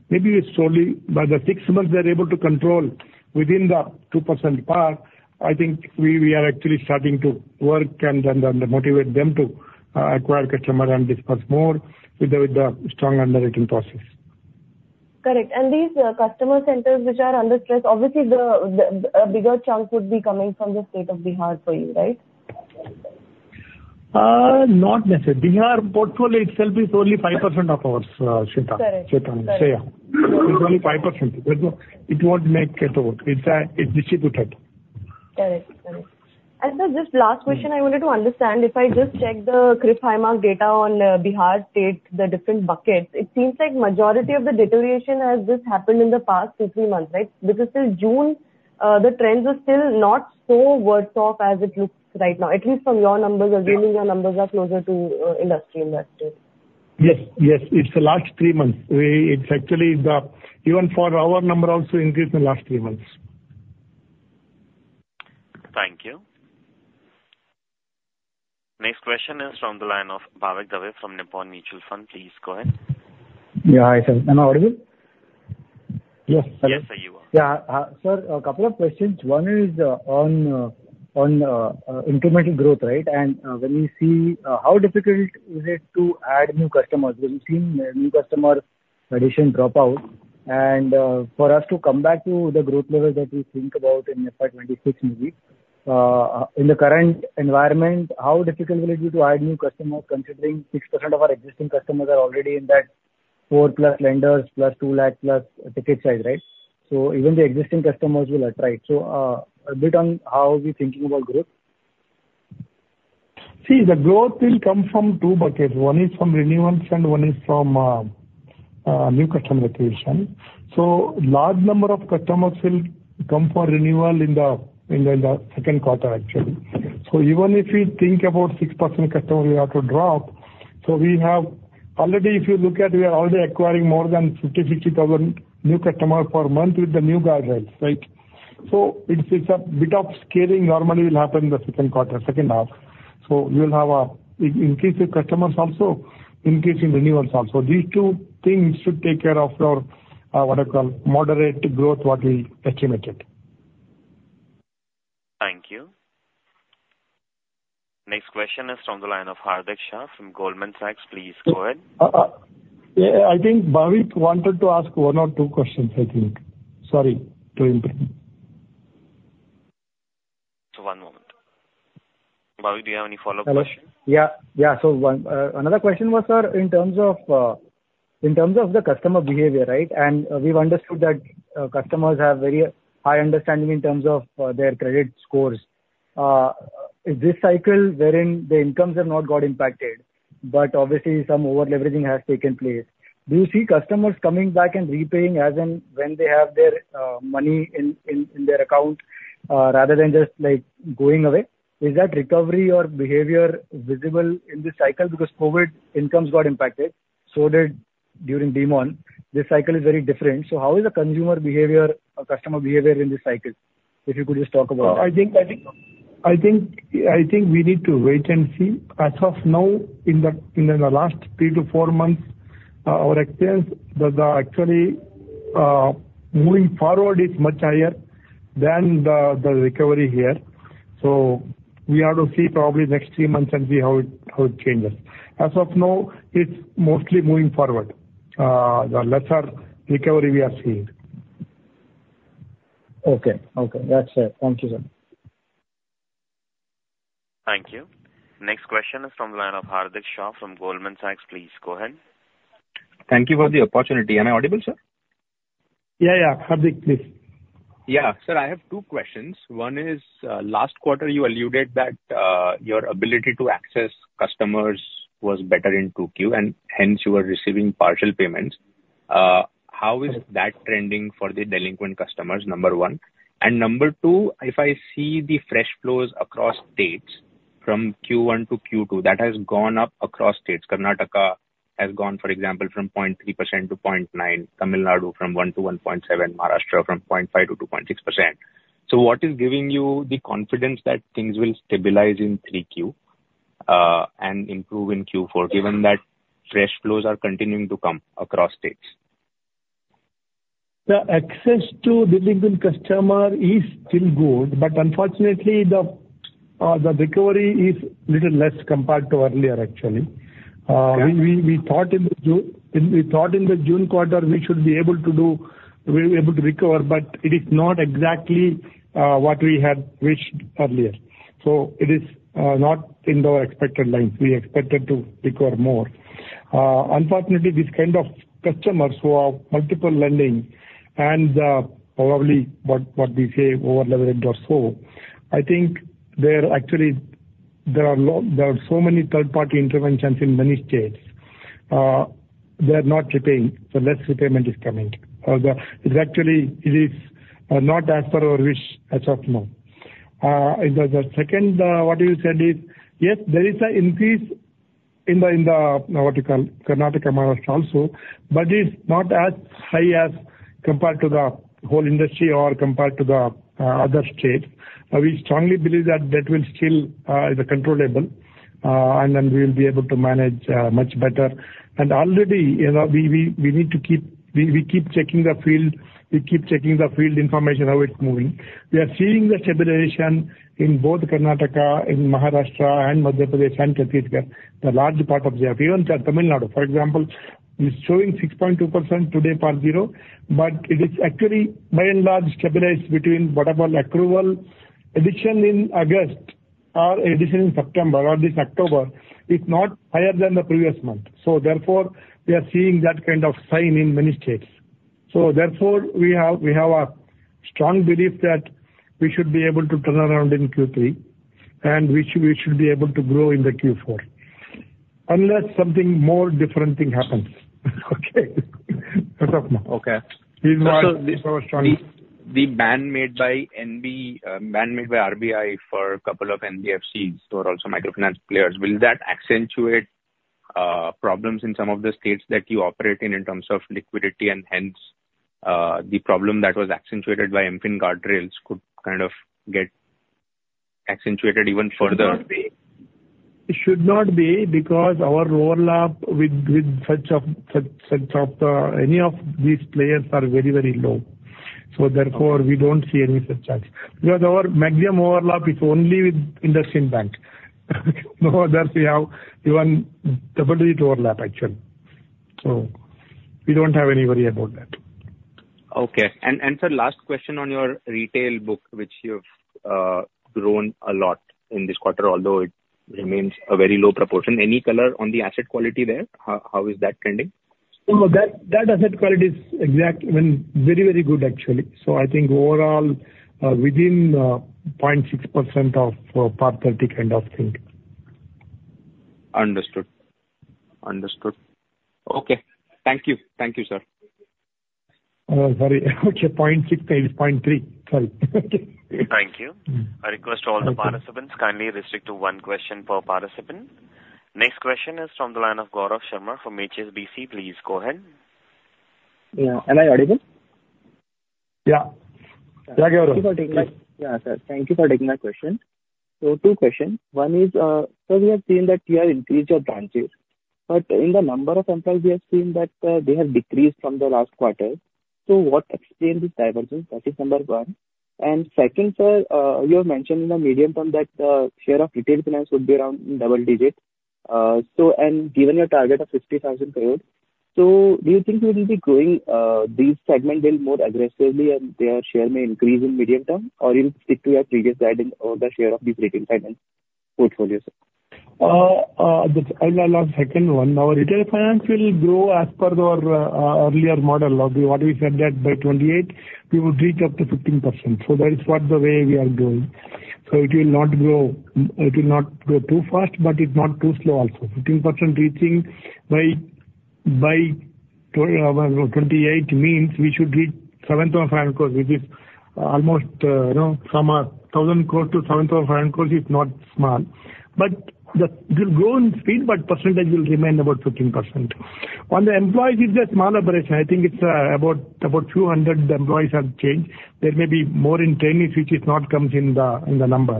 Speaker 3: Maybe slowly, by the six months, they're able to control within the 2% PAR. I think we are actually starting to work and motivate them to acquire customer and disburse more with the strong underwriting process.
Speaker 11: Correct. And these customer centers which are under stress, obviously, a bigger chunk would be coming from the state of Bihar for you, right?
Speaker 3: Not necessarily. Bihar portfolio itself is only 5% of ours, Shreya.
Speaker 11: Correct.
Speaker 3: Shreya.
Speaker 11: Correct.
Speaker 3: It's only 5%. It won't make it out. It's, it's distributed.
Speaker 11: Correct. Correct. And sir, just last question I wanted to understand. If I just check the CRIF High Mark data on Bihar state, the different buckets, it seems like majority of the deterioration has just happened in the past two, three months, right? Because till June, the trends are still not so worse off as it looks right now, at least from your numbers.
Speaker 3: Yeah.
Speaker 11: Assuming your numbers are closer to industry in that case.
Speaker 3: Yes, yes. It's the last three months. It's actually the, even for our number also increased in the last three months....
Speaker 1: Thank you. Next question is from the line of Bhavik Dave from Nippon Mutual Fund. Please go ahead.
Speaker 12: Yeah. Hi, sir. Am I audible? Yes.
Speaker 3: Yes, I hear you.
Speaker 12: Yeah. Sir, a couple of questions. One is on incremental growth, right? And when we see how difficult is it to add new customers? We've seen new customer addition drop out. And for us to come back to the growth levels that we think about in FY26 maybe in the current environment, how difficult will it be to add new customers, considering 6% of our existing customers are already in that four plus lenders, plus two lakh plus ticket size, right? So even the existing customers will attract. So a bit on how we're thinking about growth.
Speaker 3: See, the growth will come from two buckets. One is from renewals, and one is from new customer acquisition. So large number of customers will come for renewal in the second quarter, actually. So even if we think about 6% customers we have to drop, so we have already if you look at, we are already acquiring more than 50,000 new customers per month with the new guidelines, right? So it's a bit of scaling normally will happen in the second quarter, second half. So you will have a increase in customers also, increase in renewals also. These two things should take care of your what I call moderate growth, what we estimated.
Speaker 1: Thank you. Next question is from the line of Hardik Shah from Goldman Sachs. Please go ahead.
Speaker 3: Yeah, I think Bhavik wanted to ask one or two questions, I think. Sorry to interrupt.
Speaker 1: So one moment. Bhavik, do you have any follow-up questions?
Speaker 12: Hello. Yeah, yeah. So one, another question was, sir, in terms of, in terms of the customer behavior, right? And we've understood that, customers have very high understanding in terms of, their credit scores. This cycle wherein the incomes have not got impacted, but obviously some overleveraging has taken place. Do you see customers coming back and repaying as in when they have their money in their account, rather than just, like, going away? Is that recovery or behavior visible in this cycle? Because COVID incomes got impacted, so did during demonetization. This cycle is very different, so how is the consumer behavior or customer behavior in this cycle? If you could just talk about it.
Speaker 3: I think we need to wait and see. As of now, in the last three to four months, our experience that are actually moving forward is much higher than the recovery here. So we have to see probably next three months and see how it changes. As of now, it's mostly moving forward, the lesser recovery we are seeing.
Speaker 12: Okay. Okay, that's it. Thank you, sir.
Speaker 1: Thank you. Next question is from the line of Hardik Shah from Goldman Sachs. Please go ahead.
Speaker 13: Thank you for the opportunity. Am I audible, sir?
Speaker 3: Yeah, yeah. Hardik, please.
Speaker 13: Yeah. Sir, I have two questions. One is, last quarter you alluded that, your ability to access customers was better in Q2, and hence you were receiving partial payments. How is that trending for the delinquent customers? Number one. And number two, if I see the fresh flows across states from Q1 to Q2, that has gone up across states. Karnataka has gone, for example, from 0.3% to 0.9%, Tamil Nadu from 1% to 1.7%, Maharashtra from 0.5% to 2.6%. So what is giving you the confidence that things will stabilize in Q3, and improve in Q4, given that fresh flows are continuing to come across states?
Speaker 3: The access to delinquent customer is still good, but unfortunately, the recovery is little less compared to earlier, actually.
Speaker 13: Yeah.
Speaker 3: We thought in the June quarter, we should be able to do. We'll be able to recover, but it is not exactly what we had wished earlier. So it is not in the expected lines. We expected to recover more. Unfortunately, these kind of customers who have multiple lending and probably what we say, overleveraged or so, I think there are actually so many third-party interventions in many states, they are not repaying, so less repayment is coming. It actually is not as per our wish as of now. And the second what you said is, yes, there is an increase in the what you call Karnataka, Maharashtra also, but it's not as high as compared to the whole industry or compared to the other states. We strongly believe that that will still is controllable and then we will be able to manage much better. And already, you know, we need to keep checking the field information, how it's moving. We are seeing the stabilization in both Karnataka, in Maharashtra and Madhya Pradesh and Chhattisgarh, the large part of there. Even Tamil Nadu, for example, is showing 6.2% today PAR 0, but it is actually by and large stabilized between what are called accrual. Addition in August or addition in September or this October is not higher than the previous month. So therefore, we are seeing that kind of sign in many states. So therefore, we have a strong belief that we should be able to turn around in Q3, and we should be able to grow in the Q4, unless something more different thing happens. Okay? As of now.
Speaker 13: Okay.
Speaker 3: This is our strong-
Speaker 13: The ban made by NBFC, ban made by RBI for a couple of NBFCs or also microfinance players, will that accentuate problems in some of the states that you operate in, in terms of liquidity and hence the problem that was accentuated by MFIN guardrails could kind of get accentuated even further?
Speaker 3: It should not be, because our overlap with such as any of these players are very, very low. So therefore, we don't see any such charge. Because our maximum overlap is only with IndusInd Bank. No other we have even double-digit overlap, actually. So we don't have any worry about that.
Speaker 13: Okay. And, sir, last question on your retail book, which you've grown a lot in this quarter, although it remains a very low proportion. Any color on the asset quality there? How is that trending?
Speaker 3: So that, that asset quality is excellent, I mean, very, very good actually. So I think overall, within 0.6% of PAR 30 kind of thing.
Speaker 13: Understood. Understood. Okay. Thank you. Thank you, sir.
Speaker 3: Very, okay, 0.6, 0.3, sorry.
Speaker 1: Thank you. I request all the participants, kindly restrict to one question per participant. Next question is from the line of Gaurav Sharma from HSBC. Please go ahead.
Speaker 14: Yeah. Am I audible?
Speaker 3: Yeah. Yeah, Gaurav.
Speaker 14: Yeah, sir, thank you for taking my question. So two questions. One is, so we have seen that you have increased your branches, but in the number of employees, we have seen that they have decreased from the last quarter. So what explain this divergence? That is number one. And second, sir, you have mentioned in the medium term that share of retail finance would be around double digits. So and given your target of sixty thousand crores, so do you think you will be growing this segment build more aggressively and their share may increase in medium term, or you'll stick to your previous guide on the share of the retail finance portfolio, sir?
Speaker 3: I will on second one. Our retail finance will grow as per our earlier model of what we said that by FY28, we will reach up to 15%. So that is what the way we are going. So it will not grow, it will not grow too fast, but it not too slow also. 15% reaching by, by FY28 means we should reach 7,000 crore, which is almost, you know, from 1,000 crore to 7,000 crore is not small. But the, it will grow in speed, but percentage will remain about 15%. On the employees, it's a small operation. I think it's about 200 employees have changed. There may be more in training, which is not comes in the, in the number.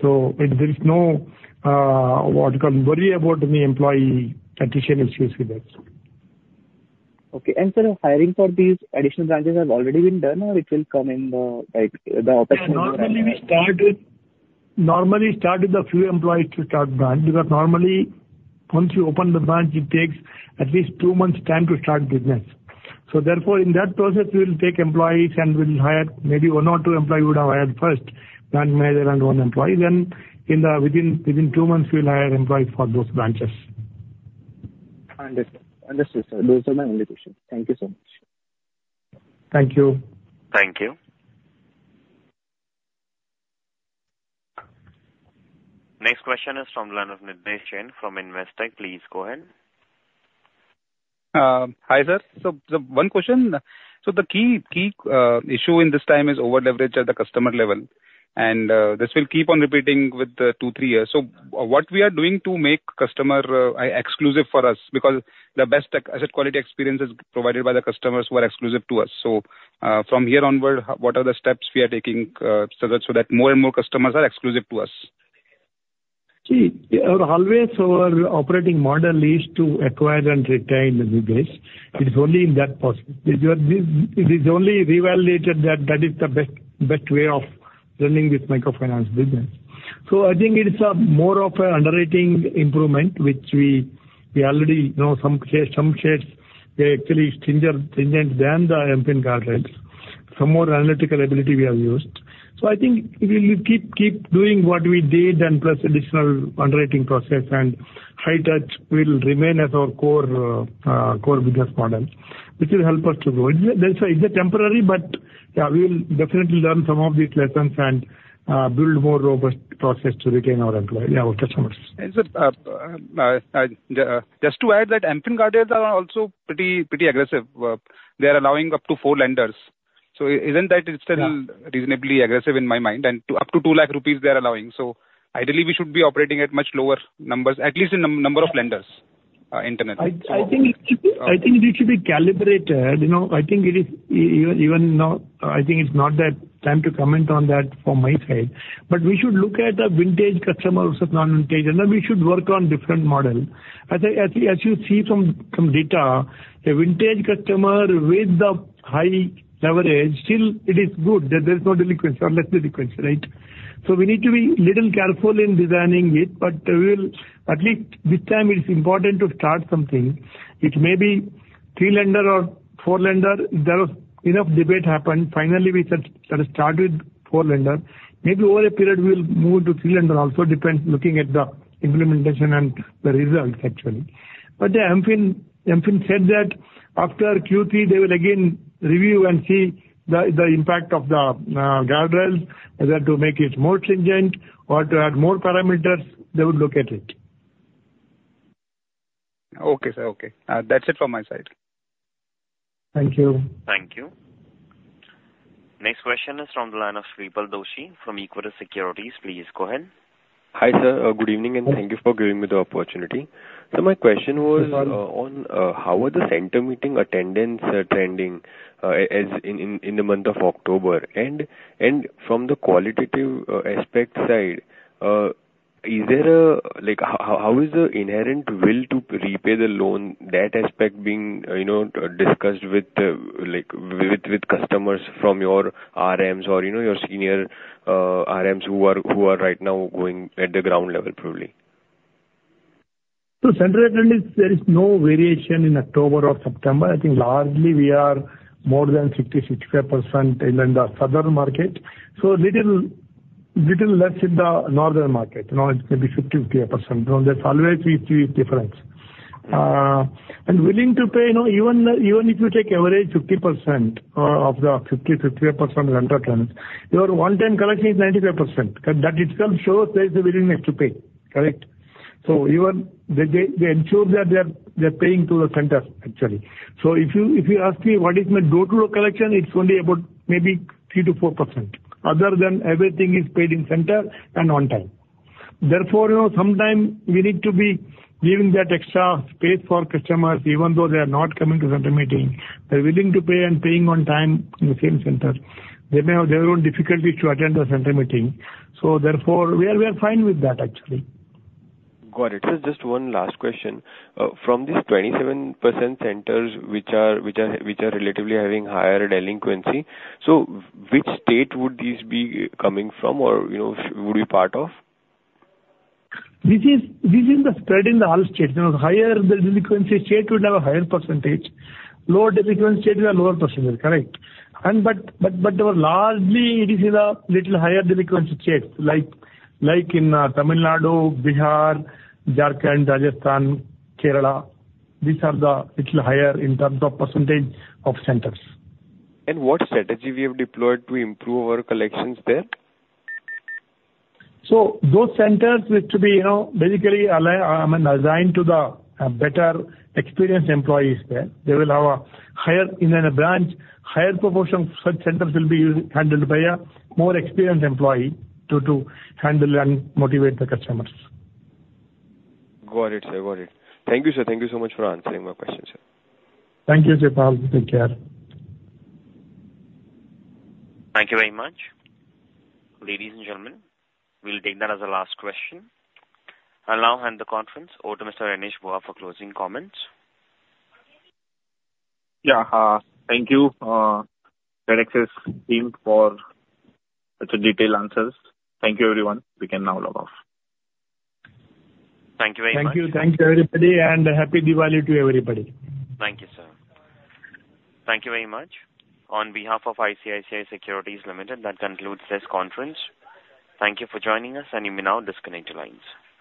Speaker 3: So there is no, what you call, worry about any employee attrition issues with that.
Speaker 14: Okay. And sir, hiring for these additional branches has already been done or it will come in the, like, the operation?
Speaker 3: Normally, we start with a few employees to start branch. Because normally, once you open the branch, it takes at least two months' time to start business. So therefore, in that process, we will take employees and we'll hire, maybe one or two employee would have hired first, branch manager and one employee, then within two months, we'll hire employees for those branches.
Speaker 14: Understood. Understood, sir. Those are my only questions. Thank you so much.
Speaker 3: Thank you.
Speaker 1: Thank you. Next question is from the line of Nidhesh Jain from Investec. Please go ahead.
Speaker 15: Hi, sir. So one question. So the key issue in this time is over-leverage at the customer level, and this will keep on repeating with two, three years. So what we are doing to make customer exclusive for us? Because the best asset quality experience is provided by the customers who are exclusive to us. So from here onward, what are the steps we are taking so that more and more customers are exclusive to us?
Speaker 3: See, always our operating model is to acquire and retain the base. It is only in that possibility. It is only reevaluated that that is the best way of dealing with microfinance business. So I think it is more of a underwriting improvement, which we already know some cases, they're actually stringent than the MFIN guardrails. Some more analytical ability we have used. So I think we will keep doing what we did and plus additional underwriting process, and high touch will remain as our core business model, which will help us to grow. It's a temporary, but yeah, we will definitely learn some of these lessons and build more robust process to retain our employee, yeah, our customers.
Speaker 15: And sir, just to add that MFIN guardrails are also pretty aggressive. They are allowing up to four lenders. So isn't that still-
Speaker 3: Yeah
Speaker 15: ...reasonably aggressive in my mind? And up to two lakh rupees, they are allowing. So ideally, we should be operating at much lower numbers, at least in number of lenders, internally.
Speaker 3: I think it should be calibrated, you know. I think it is even now, I think it's not that time to comment on that from my side. But we should look at the vintage customers of non-vintage, and then we should work on different model. As you see from data, a vintage customer with the high leverage, still it is good that there is no delinquency or less delinquency, right? So we need to be little careful in designing it, but we will... At least this time it is important to start something. It may be three lender or four lender. There was enough debate happened. Finally, we said, let us start with four lender. Maybe over a period, we will move to three lender. Also, depends looking at the implementation and the results, actually. But the MFIN said that after Q3, they will again review and see the impact of the guardrails. Whether to make it more stringent or to add more parameters, they will look at it.
Speaker 15: Okay, sir. Okay. That's it from my side.
Speaker 3: Thank you.
Speaker 1: Thank you. Next question is from the line of Shreepal Doshi from Equirus Securities. Please go ahead.
Speaker 16: Hi, sir. Good evening, and thank you for giving me the opportunity. So my question was on how are the center meeting attendance trending as in in the month of October? And from the qualitative aspect side is there a like how is the inherent will to repay the loan, that aspect being you know discussed with like with customers from your RMs or you know your senior RMs who are right now going at the ground level purely?
Speaker 3: So center attendance, there is no variation in October or September. I think largely we are more than 60-65% in the southern market, so little, little less in the northern market. You know, it's maybe 50-58%. So there's always 50 difference. And willing to pay, you know, even, even if you take average 50%, uh, of the 50-58% center attendance, your on-time collection is 95%. That itself shows there is a willingness to pay, correct? So even they ensure that they are, they're paying to the center, actually. So if you ask me what is my door-to-door collection, it's only about maybe 3-4%. Other than everything is paid in center and on time. Therefore, you know, sometimes we need to be giving that extra space for customers, even though they are not coming to center meeting. They're willing to pay and paying on time in the same center. They may have their own difficulty to attend the center meeting, so therefore, we are, we are fine with that, actually.
Speaker 16: Got it. Sir, just one last question. From these 27% centers which are relatively having higher delinquency, so which state would these be coming from or, you know, would be part of?
Speaker 3: This is the spread in all states. You know, higher the delinquency state would have a higher percentage. Lower delinquency state will have lower percentage, correct? But largely it is in the little higher delinquency states like in Tamil Nadu, Bihar, Jharkhand, Rajasthan, Kerala. These are the little higher in terms of percentage of centers.
Speaker 16: What strategy we have deployed to improve our collections there?
Speaker 3: Those centers need to be, you know, basically assigned to the better experienced employees there. They will have a higher... In a branch, higher proportion such centers will be handled by a more experienced employee to handle and motivate the customers.
Speaker 16: Got it, sir. Got it. Thank you, sir. Thank you so much for answering my question, sir.
Speaker 3: Thank you, Shreepal. Take care.
Speaker 1: Thank you very much. Ladies and gentlemen, we'll take that as our last question. I'll now hand the conference over to Mr. Renish Bhuva for closing comments.
Speaker 2: Yeah, thank you, Udaya sir, team for such a detailed answers. Thank you, everyone. We can now log off.
Speaker 1: Thank you very much.
Speaker 3: Thank you. Thanks, everybody, and happy Diwali to everybody.
Speaker 1: Thank you, sir. Thank you very much. On behalf of ICICI Securities Limited, that concludes this conference. Thank you for joining us, and you may now disconnect your lines. Thank you.